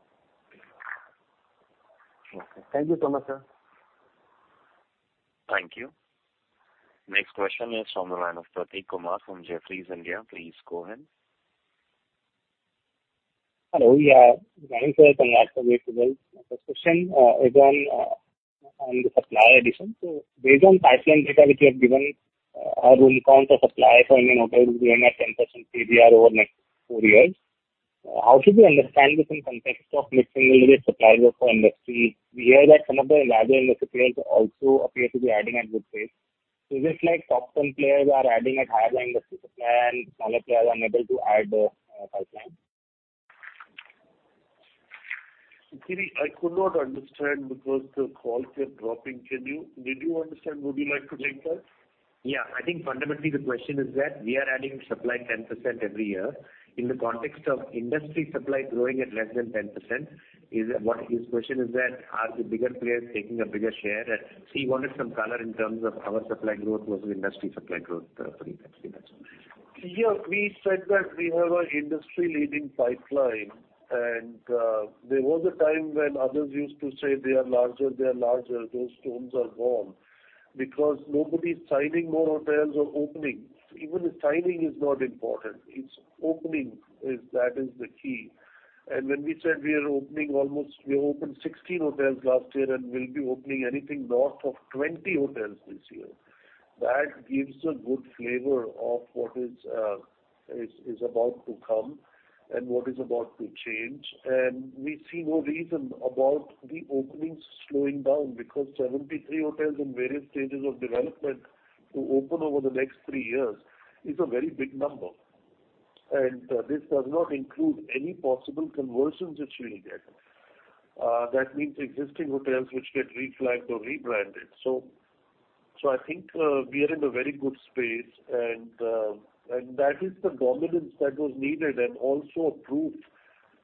Okay. Thank you, so much sir. Thank you. Next question is from the line of Prateek Kumar from Jefferies India. Please go ahead. Hello. Good morning, sir. Congratulations. My first question is on on the supply addition. Based on pipeline data which you have given, our room count for supply for Indian Hotels will be around 10% CAGR over next 4 years. How should we understand this in context of mix in the supply growth for industry? We hear that some of the larger industry players also appear to be adding at good pace. Is it like top 10 players are adding at higher than the supply and smaller players are unable to add pipeline? Prateek, I could not understand because the calls kept dropping. Did you understand? Would you like to take that? I think fundamentally the question is that we are adding supply 10% every year. In the context of industry supply growing at less than 10%, what his question is that are the bigger players taking a bigger share? He wanted some color in terms of our supply growth versus industry supply growth for you actually, that's all. We said that we have an industry-leading pipeline, there was a time when others used to say they are larger, they are larger. Those tones are gone because nobody is signing more hotels or opening. Even the signing is not important. It's opening that is the key. When we said we are opening, we opened 16 hotels last year and we'll be opening anything north of 20 hotels this year. That gives a good flavor of what is about to come and what is about to change. We see no reason about the openings slowing down because 73 hotels in various stages of development to open over the next 3 years is a very big number. This does not include any possible conversions which we will get. That means existing hotels which get reflagged or rebranded. I think we are in a very good space and that is the dominance that was needed and also a proof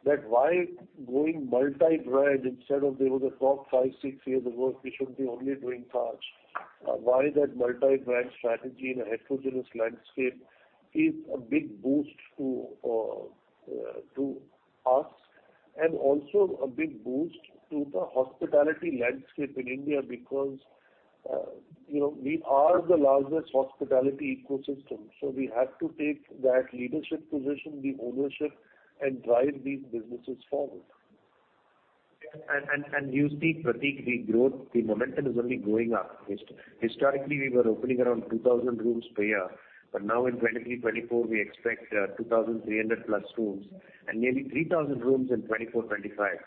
that why going multi-brand instead of there was a talk 5, 6 years ago we should be only doing Taj. Why that multi-brand strategy in a heterogeneous landscape is a big boost to us. Also a big boost to the hospitality landscape in India because, you know, we are the largest hospitality ecosystem, so we have to take that leadership position, the ownership, and drive these businesses forward. You see, Prateek, the growth, the momentum is only going up. Historically, we were opening around 2,000 rooms per year, but now in 2023, 2024, we expect 2,300+ rooms and nearly 3,000 rooms in 2024,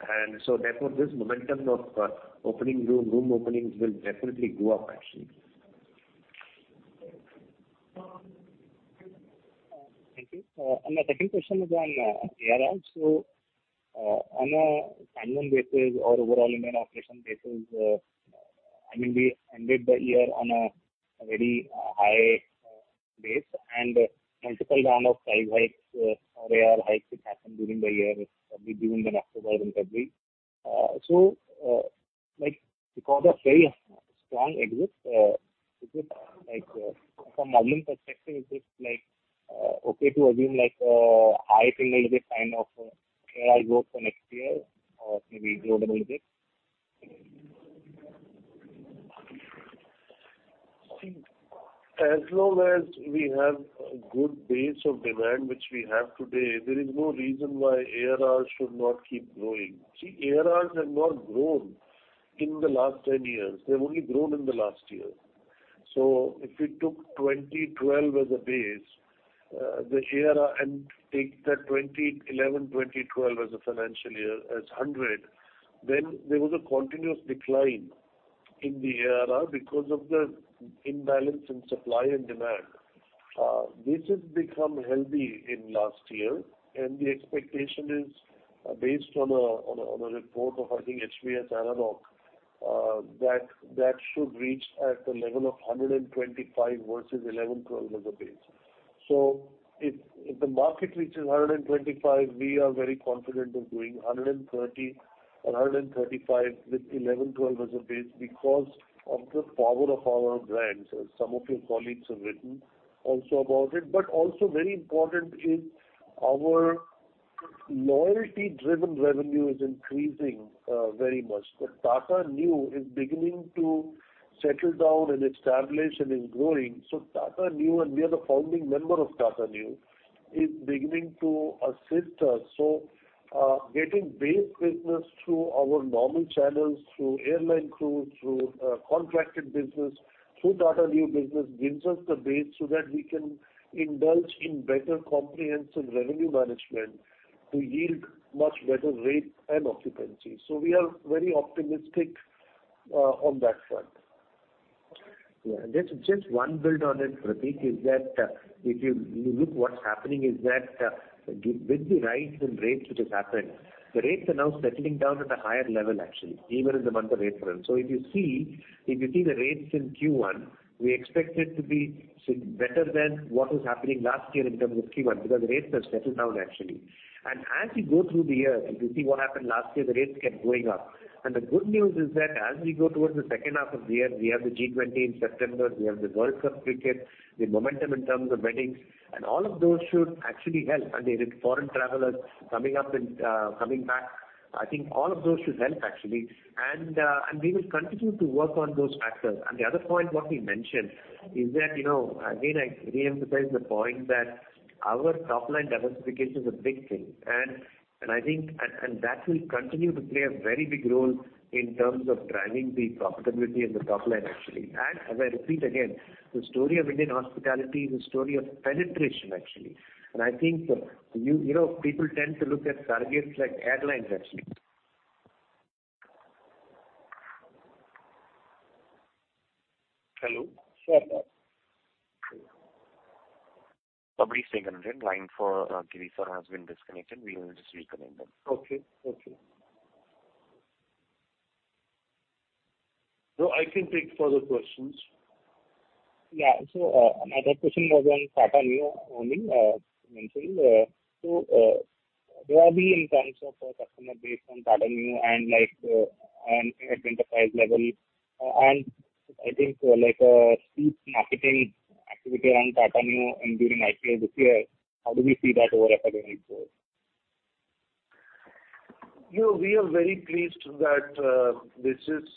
2025. Therefore, this momentum of opening room openings will definitely go up actually. Thank you. My second question is on ARR. On a timeline basis or overall Indian operation basis, I mean, we ended the year on a very high base and multiple round of price hikes or ARR hikes that happened during the year, probably during the October and February. Like because of very strong exist, like from modeling perspective, is it like okay to assume like high single digit kind of ARR growth for next year or maybe low double digits? As long as we have a good base of demand which we have today, there is no reason why ARR should not keep growing. ARRs have not grown in the last 10 years. They've only grown in the last year. If we took 2012 as a base, the ARR and take that 2011, 2012 as a financial year as 100, then there was a continuous decline in the ARR because of the imbalance in supply and demand. This has become healthy in last year, and the expectation is based on a report of, I think, HVS ANAROCK, that that should reach at the level of 125 versus 2011, 2012 as a base. If, if the market reaches 125, we are very confident of doing 130 or 135 with 11, 12 as a base because of the power of our brands, as some of your colleagues have written also about it. Also very important is our loyalty driven revenue is increasing very much. The Tata Neu is beginning to settle down and establish and is growing. Tata Neu, and we are the founding member of Tata Neu, is beginning to assist us. Getting base business through our normal channels, through airline crew, through contracted business, through Tata Neu business gives us the base so that we can indulge in better comprehensive revenue management to yield much better rate and occupancy. We are very optimistic on that front. Just one build on it, Prateek, is that if you look what's happening is that with the rise in rates, which has happened, the rates are now settling down at a higher level, actually, even in the month of April. If you see, if you see the rates in Q1, we expect it to be better than what was happening last year in terms of Q1, because the rates have settled down actually. As you go through the year, if you see what happened last year, the rates kept going up. The good news is that as we go towards the second half of the year, we have the G20 in September, we have the Cricket World Cup, the momentum in terms of weddings and all of those should actually help. There is foreign travelers coming back. I think all of those should help actually. We will continue to work on those factors. The other point what we mentioned is that, you know, again, I reemphasize the point that our top line diversification is a big thing. And that will continue to play a very big role in terms of driving the profitability of the top line actually. As I repeat again, the story of Indian hospitality is a story of penetration actually. I think, you know, people tend to look at surrogates like airlines actually. Hello? Sure. Sorry for the inconvenience. Line for Giri sir has been disconnected. We will just reconnect them. Okay. I can take further questions. My third question was on Tata Neu only, you mentioned. Where are we in terms of customer base on Tata Neu and like, and at enterprise level, and I think like a steep marketing activity around Tata Neu and during IPL this year, how do we see that overall playing out for us? You know, we are very pleased that this is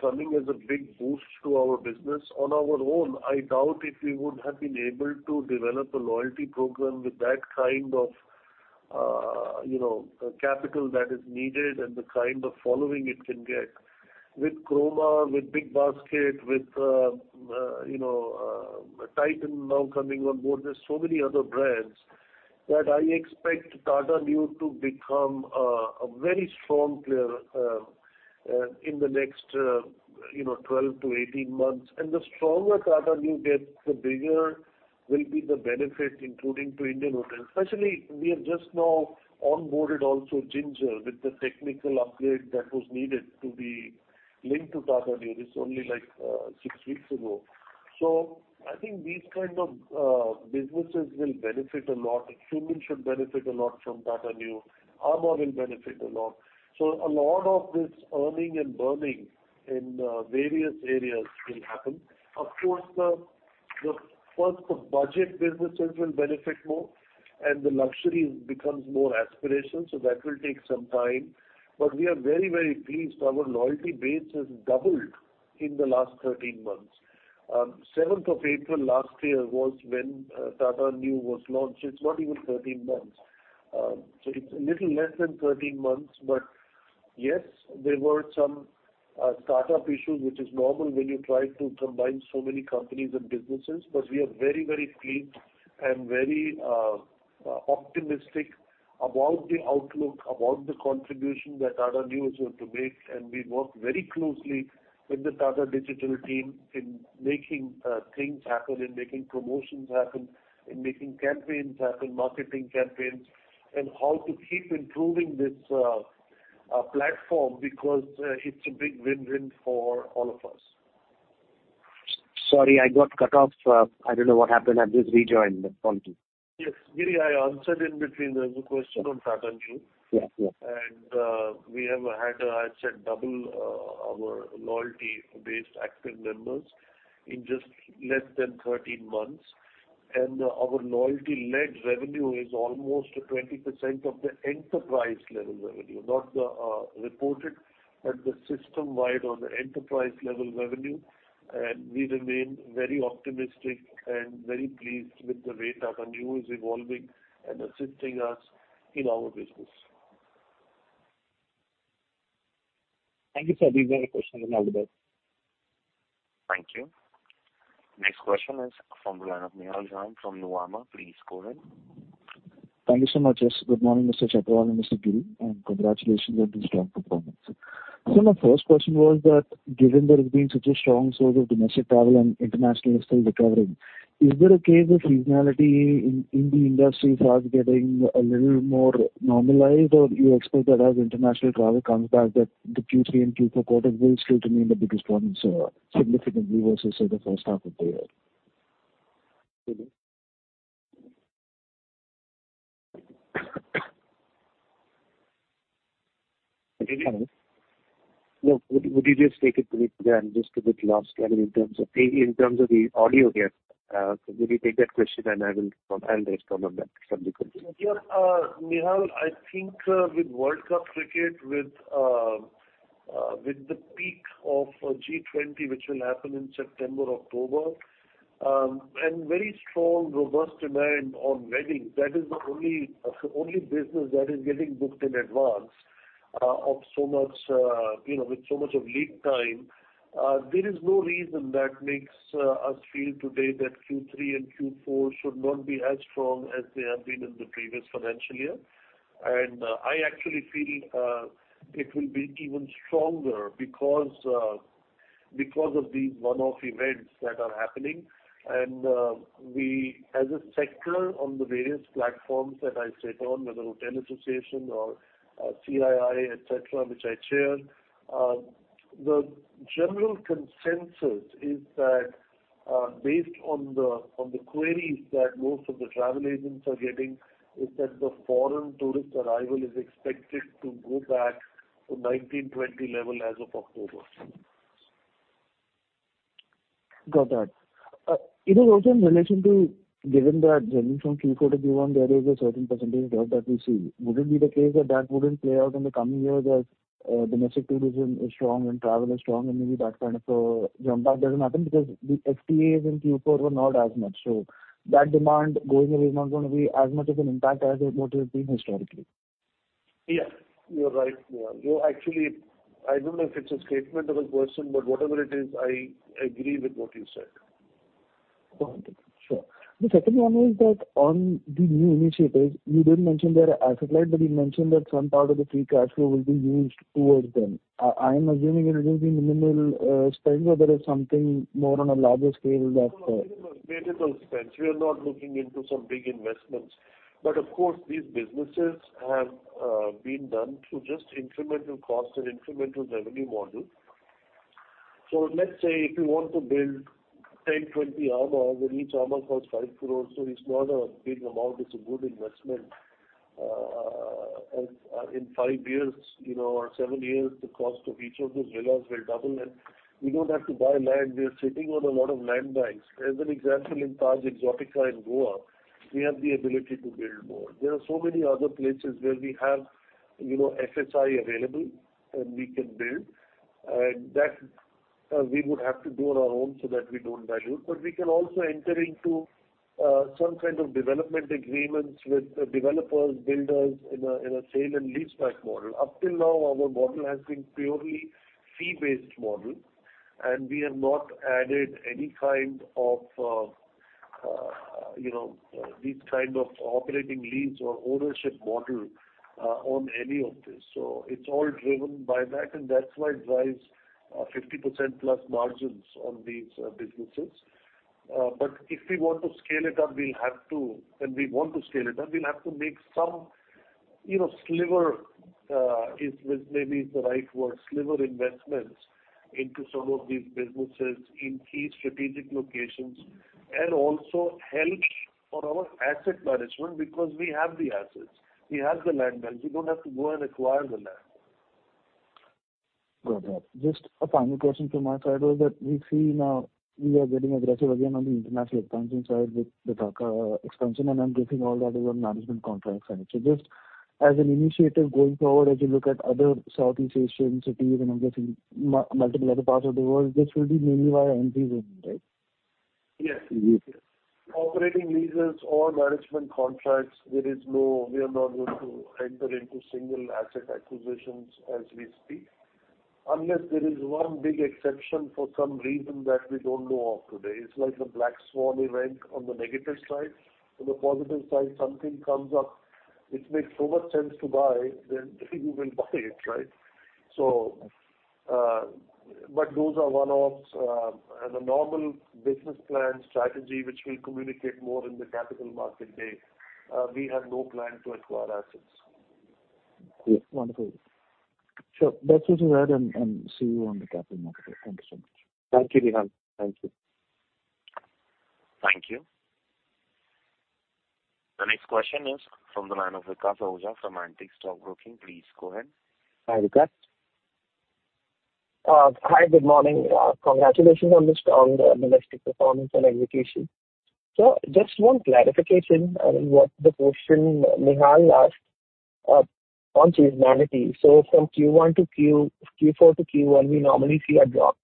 coming as a big boost to our business. On our own, I doubt if we would have been able to develop a loyalty program with that kind of, you know, capital that is needed and the kind of following it can get. With Croma, with BigBasket, with, you know, Titan now coming on board, there's so many other brands that I expect Tata Neu to become a very strong player in the next, you know, 12-18 months. The stronger Tata Neu gets, the bigger will be the benefit including to Indian Hotels. Especially we have just now onboarded also Ginger with the technical upgrade that was needed to be linked to Tata Neu. This is only like six weeks ago. I think these kind of businesses will benefit a lot. Qmin should benefit a lot from Tata Neu. amã will benefit a lot. A lot of this earning and burning in various areas will happen. Of course, the first, the budget businesses will benefit more and the luxury becomes more aspirational, so that will take some time. We are very, very pleased. Our loyalty base has doubled in the last 13 months. 7th of April last year was when Tata Neu was launched. It's not even 13 months. So it's a little less than 13 months. Yes, there were some startup issues, which is normal when you try to combine so many companies and businesses. We are very, very pleased and very optimistic about the outlook, about the contribution that Tata Neu is going to make. We work very closely with the Tata Digital team in making things happen and making promotions happen, in making campaigns happen, marketing campaigns, and how to keep improving this platform because it's a big win-win for all of us. Sorry, I got cut off. I don't know what happened. I've just rejoined. Thank you. Yes. Giri, I answered in between. There was a question on Tata Neu. We have had, I'd say double, our loyalty based active members in just less than 13 months. Our loyalty led revenue is almost 20% of the enterprise level revenue, not the reported but the system-wide on the enterprise level revenue. We remain very optimistic and very pleased with the way Tata Neu is evolving and assisting us in our business. Thank you, sir. These are the questions I wanted to ask. Thank you. Next question is from the line of Nihal Jham from Nuvama. Please go ahead. Thank you so much. Yes, good morning, Mr. Chhatwal and Mr. Giri, and congratulations on the strong performance. My first question was that given there has been such a strong source of domestic travel and international is still recovering, is there a case of seasonality in the industry starts getting a little more normalized? Or do you expect that as international travel comes back that the Q3 and Q4 quarter will still remain the biggest one, so significantly versus the first half of the year? Would you just take a minute and just a bit loud, in terms of the audio here. Will you take that question and I will, I'll respond on that shortly. Sure. Nihal, I think, with Cricket World Cup, with the peak of G20, which will happen in September, October, and very strong robust demand on weddings, that is the only business that is getting booked in advance, of so much, you know, with so much of lead time. There is no reason that makes us feel today that Q3 and Q4 should not be as strong as they have been in the previous financial year. I actually feel, it will be even stronger because of these one-off events that are happening. We as a sector on the various platforms that I sit on, whether Hotel Association or CII, etc., which I chair, the general consensus is that, based on the queries that most of the travel agents are getting is that the foreign tourist arrival is expected to go back to 1920 Level as of October. Got that. It is also in relation to given that journey from Q4-Q1, there is a certain % drop that we see. Would it be the case that that wouldn't play out in the coming years as domestic tourism is strong and travel is strong and maybe that kind of jump back doesn't happen because the FTAs in Q4 were not as much. That demand going away is not going to be as much of an impact as what it has been historically. You're right, Nihal. You actually, I don't know if it's a statement or a question, but whatever it is, I agree with what you said. Sure. The second one was that on the new initiatives, you didn't mention their asset light, but you mentioned that some part of the free cash flow will be used towards them. I'm assuming it will be minimal spend, or there is something more on a larger scale that. Minimal spend. We are not looking into some big investments, but of course these businesses have been done through just incremental cost and incremental revenue model. Let's say if you want to build 10, 20 amã, where each amã costs 5 crores, it's not a big amount, it's a good investment. In 5 years, you know, or 7 years, the cost of each of those villas will double. We don't have to buy land. We are sitting on a lot of land banks. As an example, in Taj Exotica in Goa, we have the ability to build more. There are so many other places where we have, you know, FSI available and we can build. That we would have to do on our own so that we don't dilute. We can also enter into some kind of development agreements with developers, builders in a sale and leaseback model. Up till now, our model has been purely fee-based model, and we have not added any kind of, you know, these kind of operating lease or ownership model on any of this. It's all driven by that, and that's why it drives 50%+ margins on these businesses. If we want to scale it up, we'll have to make some, you know, sliver, maybe is the right word, sliver investments into some of these businesses in key strategic locations and also help on our asset management because we have the assets, we have the land banks, we don't have to go and acquire the land. Got that. Just a final question from my side was that we see now you are getting aggressive again on the international expansion side with Dhaka expansion, and I'm guessing all that is on management contract side. Just as an initiative going forward, as you look at other Southeast Asian cities, and I'm guessing multiple other parts of the world, this will be mainly via MPC, right? Operating leases or management contracts, there is no. We are not going to enter into single asset acquisitions as we speak. Unless there is 1 big exception for some reason that we don't know of today. It's like the black swan event on the negative side. On the positive side, something comes up which makes so much sense to buy, then we will buy it, right? Those are one-offs. As a normal business plan strategy, which we'll communicate more in the Capital Markets Day, we have no plan to acquire assets. Wonderful. That's what I had, and see you on the Capital Markets Day. Thank you so much. Thank you, Nihal. Thank you. Thank you. The next question is from the line of Vikas Ahuja from Antique Stock Broking. Please go ahead. Hi, Vikas. Hi, good morning. Congratulations on the strong domestic performance and execution. Just one clarification on what the question Nihal asked, on seasonality. From Q4 to Q1, we normally see a drop.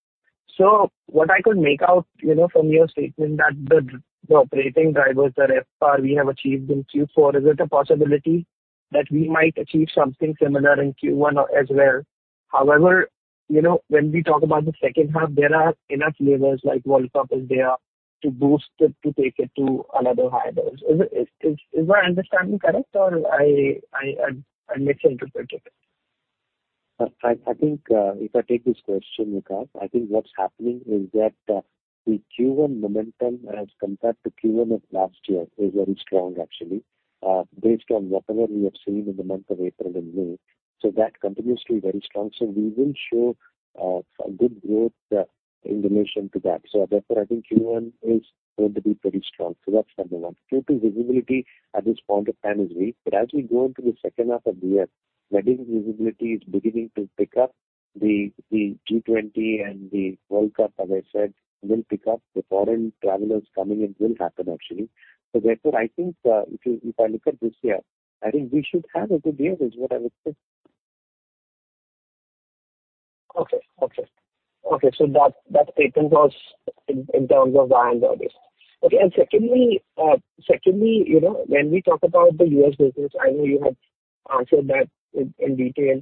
What I could make out, you know, from your statement that the operating drivers, the FR we have achieved in Q4, is it a possibility that we might achieve something similar in Q1 as well? You know, when we talk about the second half, there are enough levers like World Cup is there to boost it, to take it to another high levels. Is my understanding correct, or I misinterpreted it? I think, if I take this question, Vikas, I think what's happening is that the Q1 momentum as compared to Q1 of last year is very strong actually, based on whatever we have seen in the month of April and May. That continues to be very strong. We will show some good growth in relation to that. Therefore I think Q1 is going to be pretty strong. That's number one. Q2 visibility at this point of time is weak. As we go into the second half of the year, that visibility is beginning to pick up. The G20 and the World Cup, as I said, will pick up. The foreign travelers coming in will happen actually. Therefore, if I look at this year, I think we should have a good year, is what I would say. Okay. That statement was in terms of why and all this. Secondly, you know, when we talk about the U.S. business, I know you have answered that in detail,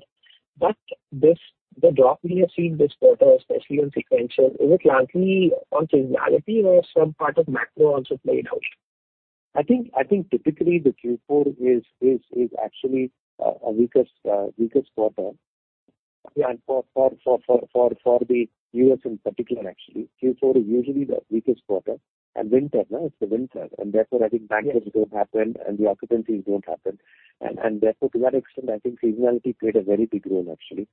but the drop we have seen this quarter, especially on sequential, is it largely on seasonality or some part of macro also played out? I think typically the Q4 is actually a weakest quarter. For the U.S. in particular actually. Q4 is usually the weakest quarter. Winter, no? It's the winter. Therefore I think banquets don't happen and the occupancies don't happen. Therefore to that extent I think seasonality played a very big role actually.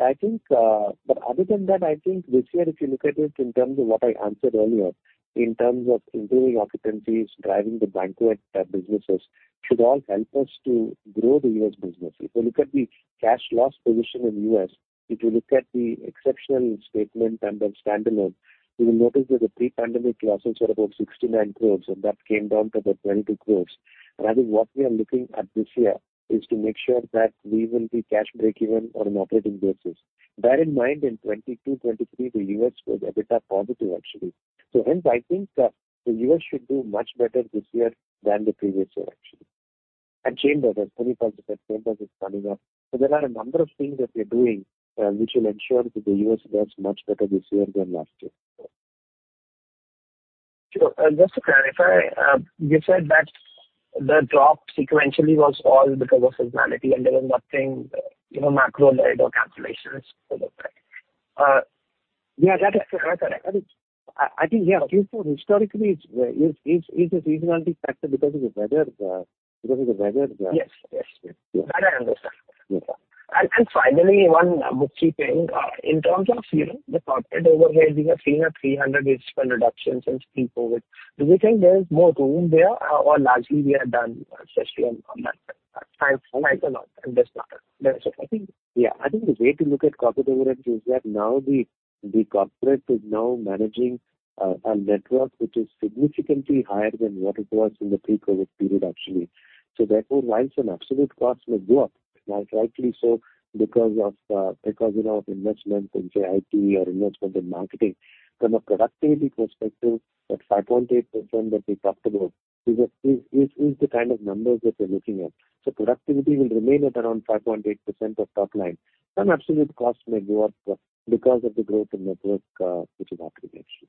I think other than that I think this year if you look at it in terms of what I answered earlier, in terms of improving occupancies, driving the banquet businesses should all help us to grow the U.S. business. If you look at the cash loss position in U.S., if you look at the exceptional statement and the standalone, you will notice that the pre-pandemic losses were about 69 crore and that came down to about 22 crore. I think what we are looking at this year is to make sure that we will be cash breakeven on an operating basis. Bear in mind in 2022, 2023 the U.S. were EBITDA positive actually. Hence I think that the U.S. should do much better this year than the previous year actually. The Chambers, as Puneet also said, The Chambers is coming up. There are a number of things that we're doing, which will ensure that the U.S. does much better this year than last year. Sure. Just to clarify, you said that the drop sequentially was all because of seasonality and there was nothing, you know, macro led or cancellations or the like? That is correct. Q4 historically is a seasonality factor because of the weather. Yes. That I understand. Finally one murky thing. In terms of the corporate overheads, we have seen a 300 basis point reduction since pre-COVID. Do you think there is more room there or largely we are done, especially on that front? Thanks a lot. I'm just done. That's it. I think the way to look at corporate overheads is that now the corporate is now managing a network which is significantly higher than what it was in the pre-COVID period, actually. Therefore, whilst an absolute cost may go up, and rightly so because of, because, you know, of investments in, say, IT or investment in marketing. From a productivity perspective, that 5.8% that we talked about is the kind of numbers that we're looking at. Productivity will remain at around 5.8% of topline. Some absolute costs may go up because of the growth in network, which is operating, actually.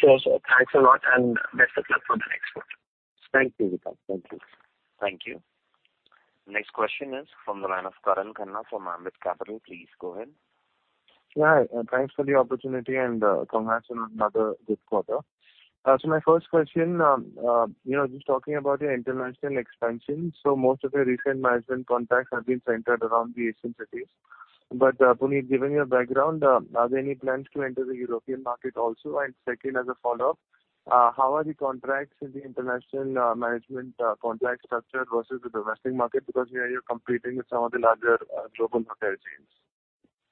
Sure, sir. Thanks a lot, and best of luck for the next quarter. Thanks, Vikas. Thank you. Thank you. Next question is from the line of Karan Khanna from Ambit Capital. Please go ahead. Thanks for the opportunity, and congrats on another good quarter. My first question, you know, just talking about your international expansion. Most of your recent management contracts have been centered around the Asian cities. Puneet, given your background, are there any plans to enter the European market also? Second, as a follow-up, how are the contracts in the international management contract structure versus the domestic market because here you're competing with some of the larger global hotel chains?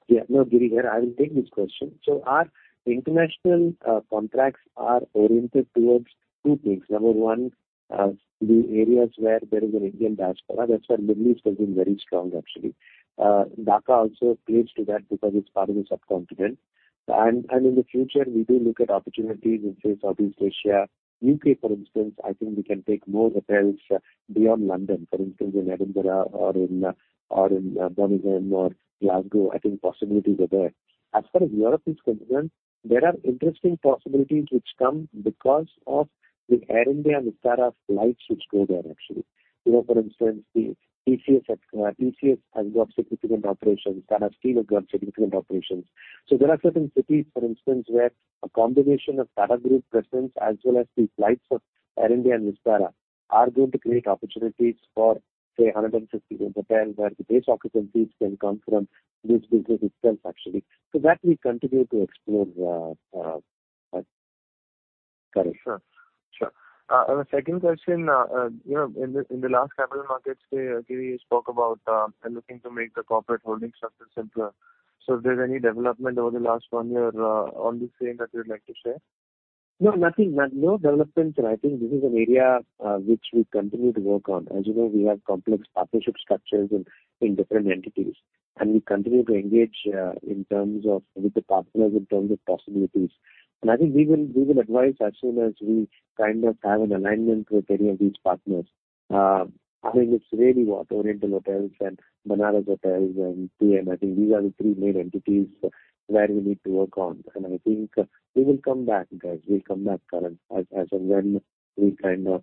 Yeah. No, Giri here. I will take this question. Our international contracts are oriented towards two things. Number one, the areas where there is an Indian diaspora. That's where Middle East has been very strong actually. Dhaka also plays to that because it's part of the subcontinent. In the future, we do look at opportunities in, say, Southeast Asia. U.K., for instance, I think we can take more hotels beyond London. For instance, in Edinburgh or in Birmingham or Glasgow, I think possibilities are there. As far as Europe is concerned, there are interesting possibilities which come because of the Air India and Vistara flights which go there actually. You know, for instance, the TCS at TCS has got significant operations. Tata Steel has got significant operations. There are certain cities, for instance, where a combination of Tata Group presence as well as the flights of Air India and Vistara are going to create opportunities for, say, 150 hotels, where the base occupancies can come from this business itself actually. That we continue to explore, Karan. Sure. The second question in the last Capital Markets Day, Giri spoke about looking to make the corporate holding structure simpler. If there's any development over the last one year, on this front that you'd like to share. No, nothing. No developments. I think this is an area which we continue to work on. As you know, we have complex partnership structures in different entities. We continue to engage in terms of with the partners in terms of possibilities. I think we will advise as soon as we kind of have an alignment with any of these partners. I think it's really what Oriental Hotels and Benares Hotels and TM. I think these are the three main entities where we need to work on. I think we will come back, guys. We'll come back, Karan, as and when we kind of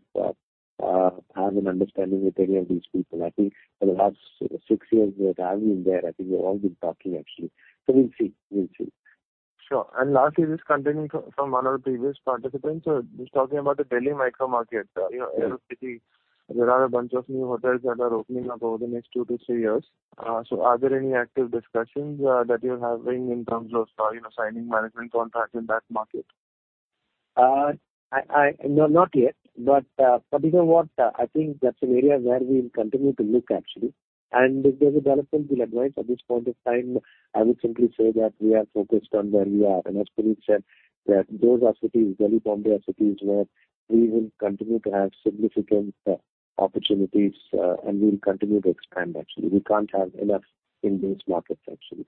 have an understanding with any of these people. I think for the last 6 years that I've been there, I think we've all been talking actually. We'll see. Sure. Lastly, just continuing from one of the previous participants, just talking about the Delhi micro market. You know, there are a bunch of new hotels that are opening up over the next 2-3 years. Are there any active discussions that you're having in terms of signing management contract in that market? No, not yet. You know what, I think that's an area where we will continue to look actually. If there's a development, we'll advise. At this point of time, I would simply say that we are focused on where we are. As Puneet said, that those are cities, Delhi, Bombay are cities where we will continue to have significant opportunities, and we will continue to expand actually. We can't have enough in these markets actually.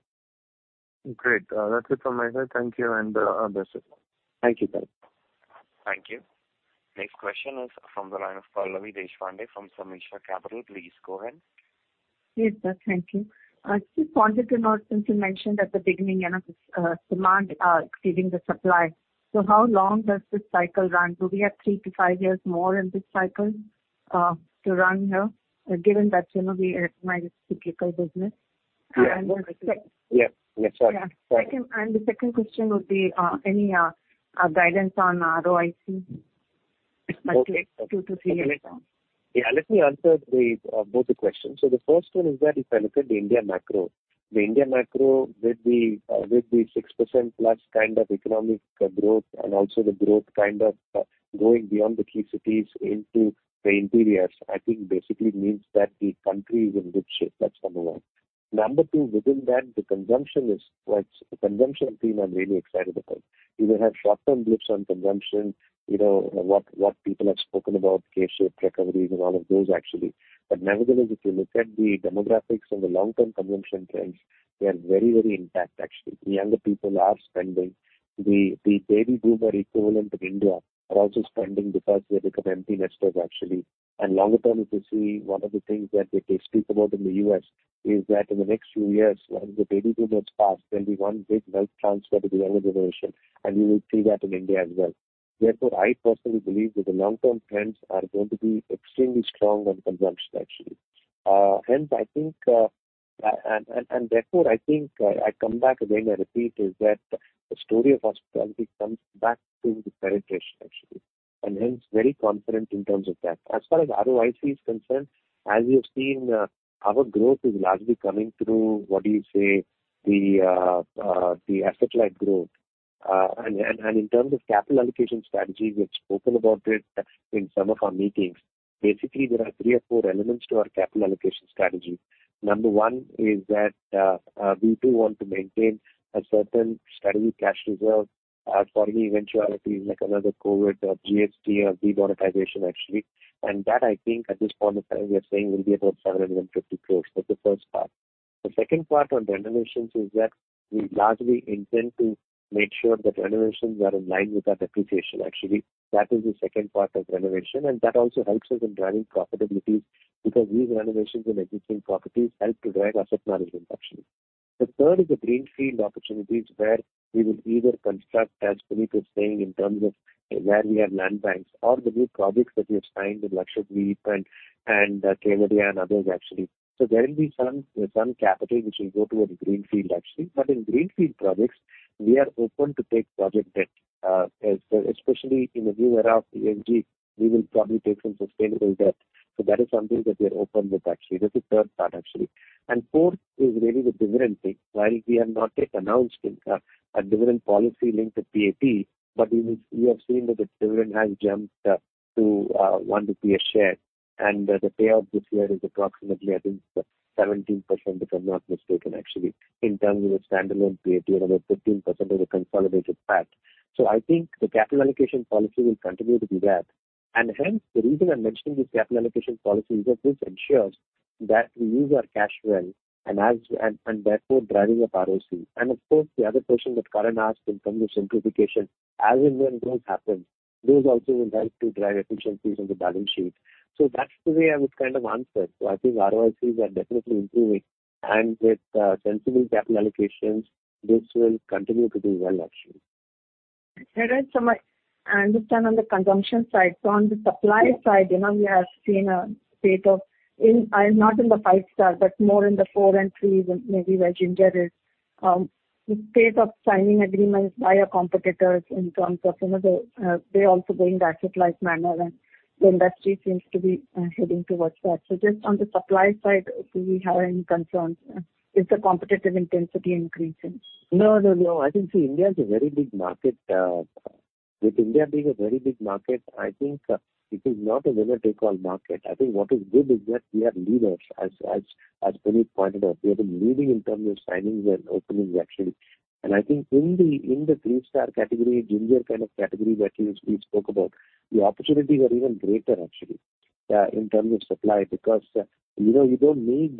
Great. That's it from my side. Thank you, and all the best. Thank you, Karan. Thank you. Next question is from the line of Pallavi Deshpande from Sameeksha Capital. Please go ahead. Yes, sir. Thank you. just wanted to know since you mentioned at the beginning this, demand, exceeding the supply. How long does this cycle run? Do we have 3-5 years more in this cycle, to run here, given that, you know, we are a cyclical business? The second question would be, any guidance on ROIC? Like 2-3 years down. Let me answer both the questions. The first one is that if I look at the India macro, the India macro with the 6%+ economic growth and also the growth kind of going beyond the key cities into the interiors, I think basically means that the country is in good shape. That's number one. Number two, within that, Consumption theme I'm really excited about. You will have short-term blips on consumption what people have spoken about, K-shaped recoveries and all of those actually. Nevertheless, if you look at the demographics and the long-term consumption trends, they are very intact actually. The younger people are spending. The baby boomer equivalent in India are also spending because they become empty nesters actually. Longer term, if you see, one of the things that they speak about in the U.S. is that in the next few years, once the baby boomers pass, there'll be one big wealth transfer to the younger generation, and we will see that in India as well. I personally believe that the long-term trends are going to be extremely strong on consumption actually. Hence, I think, and therefore, I think, I come back again, I repeat, is that the story of hospitality comes back to the penetration actually, and hence very confident in terms of that. As far as ROIC is concerned, as you have seen, our growth is largely coming through, what do you say, the asset light growth. In terms of capital allocation strategy, we've spoken about it in some of our meetings. Basically, there are three or four elements to our capital allocation strategy. Number one is that we do want to maintain a certain steady cash reserve for any eventuality like another COVID or GST or demonetization actually. That I think at this point of time we are saying will be about 750 crores. That's the first part. The second part on renovations is that we largely intend to make sure that renovations are in line with our depreciation actually. That is the second part of renovation, that also helps us in driving profitabilities because these renovations in existing properties help to drive asset management actually. The third is the greenfield opportunities where we will either construct, as Puneet was saying, in terms of where we have land banks or the new projects that we have signed with Lakshadweep and Kevadiya and others actually. We are open to take project debt, as especially in the new era of EMG, we will probably take some sustainable debt. That is something that we are open with actually. This is third part actually. Fourth is really the dividend thing. While we have not yet announced a dividend policy linked to PAT, but we have seen that the dividend has jumped up to 1 rupee a share. The payout this year is approximately, I think 17% if I'm not mistaken, actually, in terms of the standalone PAT and about 15% of the consolidated PAT. I think the capital allocation policy will continue to do that. Hence the reason I'm mentioning this capital allocation policy is that this ensures that we use our cash well and therefore driving up ROC. Of course, the other question that Karan asked in terms of simplification, as and when those happen, those also will help to drive efficiencies on the balance sheet. That's the way I would kind of answer. I think ROACs are definitely improving and with sensible capital allocations this will continue to do well actually. Okay. I understand on the consumption side. On the supply side, you know, we have seen a state of not in the 5-star, but more in the 4 and 3 maybe where Ginger is, the state of signing agreements by your competitors in terms of, you know, the, they're also going the asset-light manner and the industry seems to be heading towards that. Just on the supply side, do we have any concerns? Is the competitive intensity increasing? No, no. I think, see, India is a very big market. With India being a very big market, I think it is not a winner take all market. I think what is good is that we are leaders. As Puneet pointed out, we have been leading in terms of signings and openings actually. I think in the three-star category, Ginger kind of category, that is we spoke about, the opportunities are even greater actually, in terms of supply. Because, you know, you don't need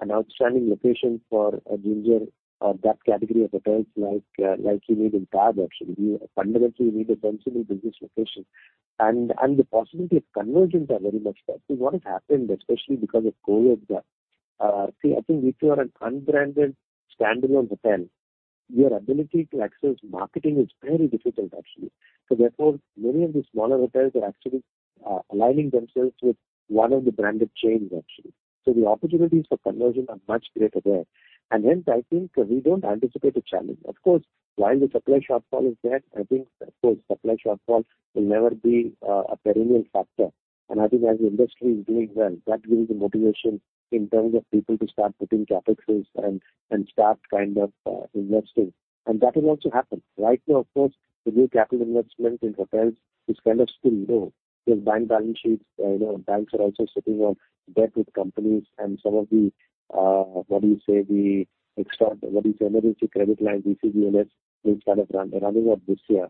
an outstanding location for a Ginger or that category of hotels like you need in Taj actually. You fundamentally need a sensible business location. The possibility of conversions are very much there. What has happened, especially because of COVID, see I think if you are an unbranded standalone hotel, your ability to access marketing is very difficult actually. Therefore many of the smaller hotels are actually aligning themselves with one of the branded chains actually. The opportunities for conversion are much greater there. Hence I think we don't anticipate a challenge. Of course, while the supply shortfall is there, I think of course supply shortfall will never be a perennial factor. I think as the industry is doing well, that gives the motivation in terms of people to start putting capital and start kind of investing. That will also happen. Right now, of course, the new capital investment in hotels is kind of still low because bank balance sheets, you know, banks are also sitting on debt with companies and some of the emergency credit line, ECLGS are running out this year.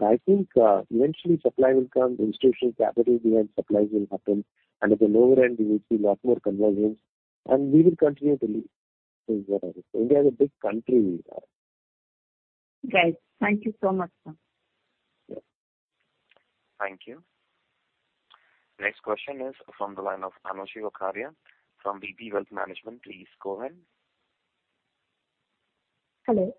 I think, eventually supply will come. Institutional capital-led supplies will happen and at the lower end we will see lot more conversions and we will continue to lead. India is a big country. Great. Thank you so much, Sir. Thank you. Next question is from the line of Anushi Vakharia from BP Wealth Management. Please go ahead. Hello.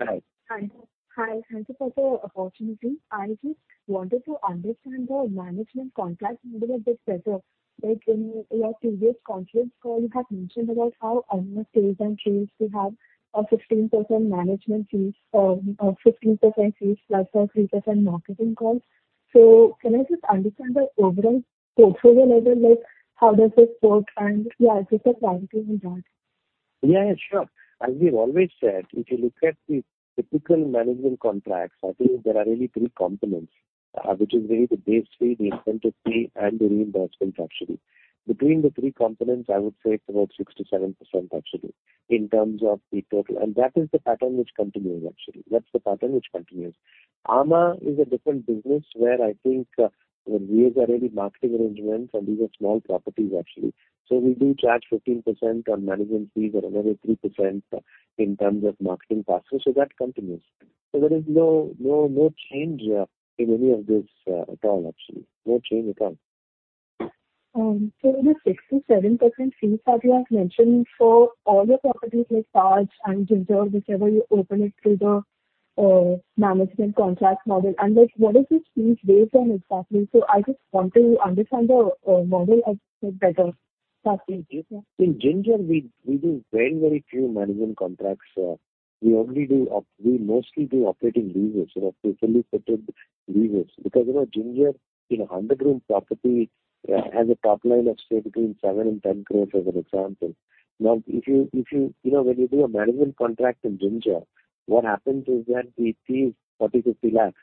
Thank you for the opportunity. I just wanted to understand the management contracts a little bit better. Like in your previous conference call you had mentioned about how amã hotels and resorts will have a 16% management fees or a 15% fees plus a 3% marketing cost. Can I just understand the overall portfolio level, like how does this work? If you could clarify on that. As we've always said, if you look at the typical management contracts, I think there are really three components. Which is really the base fee, the incentive fee and the reimbursement actually. Between the three components, I would say it's about 6%-7% actually in terms of the total. That is the pattern which continues actually. That's the pattern which continues. amã is a different business where I think, we have already marketing arrangements and these are small properties actually. We do charge 15% on management fees or another 3% in terms of marketing costs. That continues. There is no change in any of this at all actually. No change at all. The 6%-7% fees that you have mentioned for all your properties like Taj and Ginger, whichever you open it to the management contract model. What is this fees based on exactly? I just want to understand the model a bit better. In Ginger we do very, very few management contracts. We mostly do operating leases or fully fitted leases. You know, Ginger in a 100-room property has a top line of say between 7 crore and 10 crore as an example. When you do a management contract in Ginger what happens is that the fee is 40 lakh,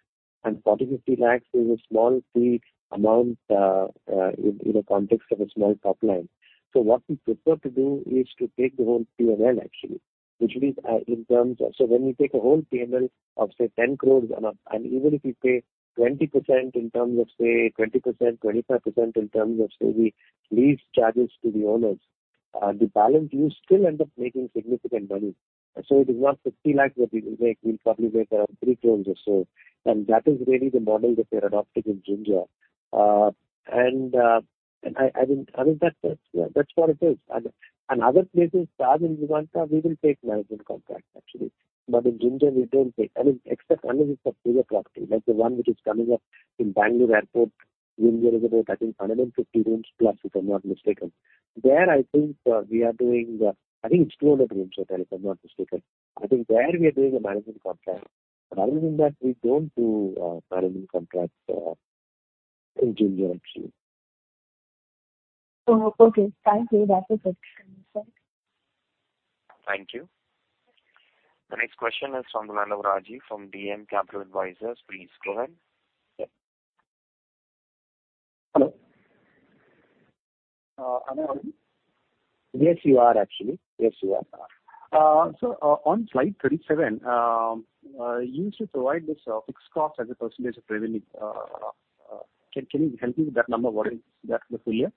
INR 50 lakh. 40 lakh, 50 lakh is a small fee amount in the context of a small top line. What we prefer to do is to take the whole P&L actually, which means, when we take a whole P&L of say 10 crores and even if we pay 20% in terms of say 20%-25% in terms of say the lease charges to the owners, the balance you still end up making significant money. It is not 50 lakhs that we will make. We'll probably make around 3 crores or so. That is really the model that we are adopting in Ginger. And I mean, I think that's what it is. And other places Taj and Vivanta we will take management contracts actually. In Ginger we don't take. I mean except unless it's a bigger property like the one which is coming up in Bengaluru Airport. In Ginger, there's about I think 150 rooms+, if I'm not mistaken. There I think, we are doing I think it's 200 rooms there, if I'm not mistaken. I think there we are doing a management contract. Other than that, we don't do management contracts in Ginger actually. Oh, okay. Thank you. That was it. Sorry. Thank you. The next question is from the line of Rajiv from DM Capital Advisors. Please go ahead. Hello. Am I on? Yes, you are actually. Yes, you are. On slide 37, you used to provide this fixed cost as a percent of revenue. Can you help me with that number? What is that for the full year?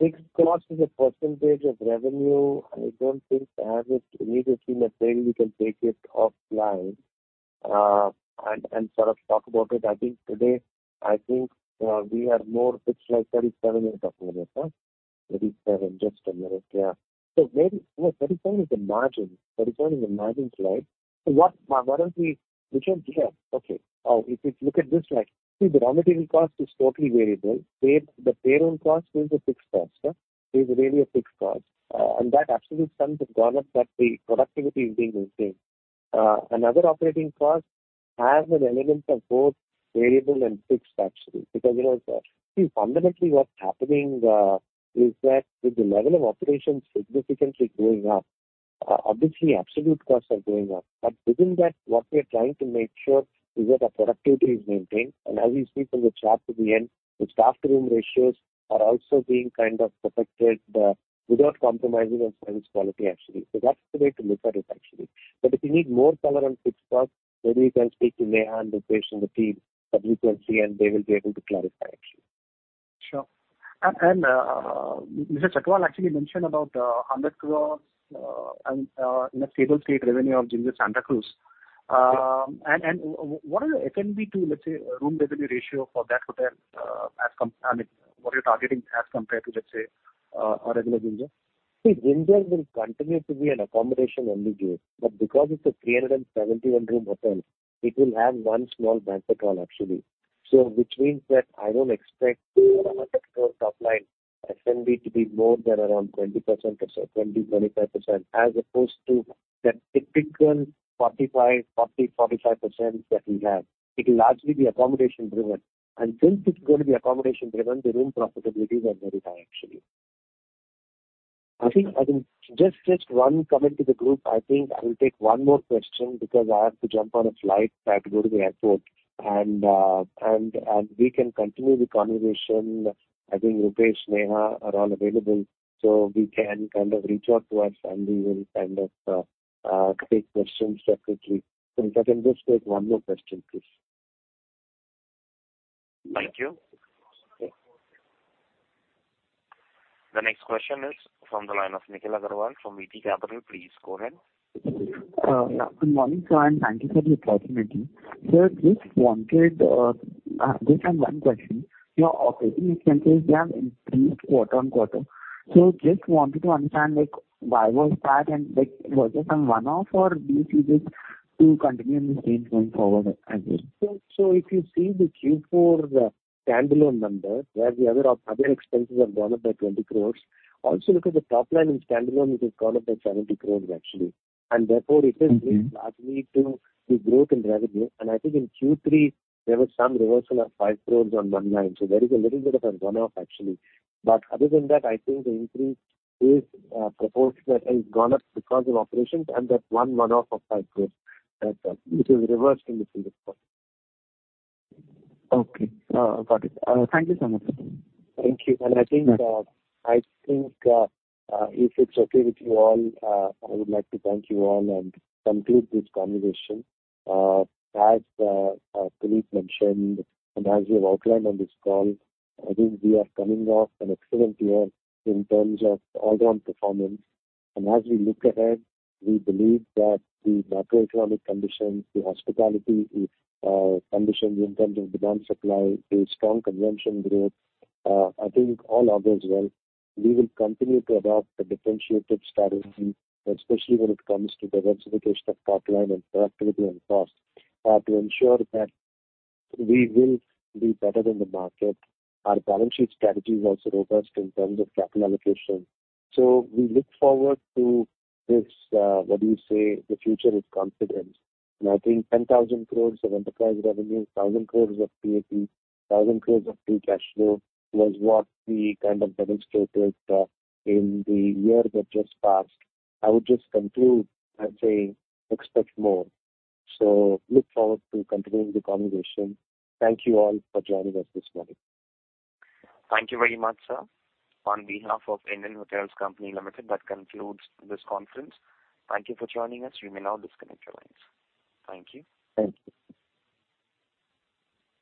Fixed cost as a percentage of revenue, I don't think I have it immediately, but maybe we can take it offline, and sort of talk about it. I think today we are more, slide 37 you're talking about? Just a minute. No, 37 is the margin. 37 is the margin slide. Which one? Okay. If you look at this slide. See, the raw material cost is totally variable. The payroll cost is a fixed cost, huh? Is really a fixed cost. That absolute sum has gone up, but the productivity is being maintained. Other operating costs have an element of both variable and fixed actually because, you know, see fundamentally what's happening, is that with the level of operations significantly going up, obviously absolute costs are going up. Within that, what we are trying to make sure is that the productivity is maintained. As we speak on the chart at the end, the staff-to-room ratios are also being kind of protected, without compromising on service quality actually. That's the way to look at it actually. If you need more color on fixed costs, maybe you can speak to Neha and Rupesh and the team subsequently, and they will be able to clarify actually. Sure. Mr. Chhatwal actually mentioned about 100 crore, and in a stable state revenue of Ginger Santacruz. What are the F&B to let's say, room revenue ratio for that hotel, I mean, what are you targeting as compared to let's say, a regular Ginger? Ginger will continue to be an accommodation only deal, but because it's a 371 room hotel, it will have 1 small banquet hall actually. Which means that I don't expect the INR 100 crore top line F&B to be more than around 20% or so, 20%-25%, as opposed to that typical 45%, 40%, 45% that we have. It'll largely be accommodation driven. Since it's going to be accommodation driven, the room profitability are very high actually. I think just 1 comment to the group. I think I will take 1 more question because I have to jump on a flight. I have to go to the airport and we can continue the conversation. I think Rupesh, Neha are all available, so we can kind of reach out to us and we will kind of take questions separately. If I can just take one more question, please. Thank you. The next question is from the line of Nikhil Agarwal from VT Capital. Please go ahead. Yeah. Good morning, sir. Thank you for the opportunity. Sir, just have one question. Your operating expenses have increased quarter-on-quarter. Just wanted to understand, like why was that and like was it some one-off or do you see this to continue in the same going forward as well? If you see the Q4 standalone number where the other expenses have gone up by 20 crores. Also look at the top line in standalone, it has gone up by 70 crores actually. Therefore it is being largely to the growth in revenue. I think in Q3 there was some reversal of 5 crores on one line, so there is a little bit of a one-off actually. Other than that, I think the increase is proportionate, has gone up because of operations and that one-off of 5 crores that which is reversed in the previous quarter. Okay. Got it. Thank you so much. Thank you. I think, I think, if it's okay with you all, I would like to thank you all and conclude this conversation. As Dilip mentioned and as we have outlined on this call, I think we are coming off an excellent year in terms of all round performance. As we look ahead, we believe that the macroeconomic conditions, the hospitality conditions in terms of demand, supply, a strong convention growth, I think all augurs well. We will continue to adopt a differentiated strategy, especially when it comes to diversification of top line and productivity and costs, to ensure that we will be better than the market. Our balance sheet strategy is also robust in terms of capital allocation. We look forward to this, what do you say? The future is confident. I think 10,000 crore of enterprise revenue, 1,000 crore of PAT, 1,000 crore of free cash flow was what we kind of demonstrated in the year that just passed. I would just conclude by saying, expect more. Look forward to continuing the conversation. Thank you all for joining us this morning. Thank you very much, sir. On behalf of Indian Hotels Company Limited, that concludes this conference. Thank you for joining us. You may now disconnect your lines. Thank you. Thank you.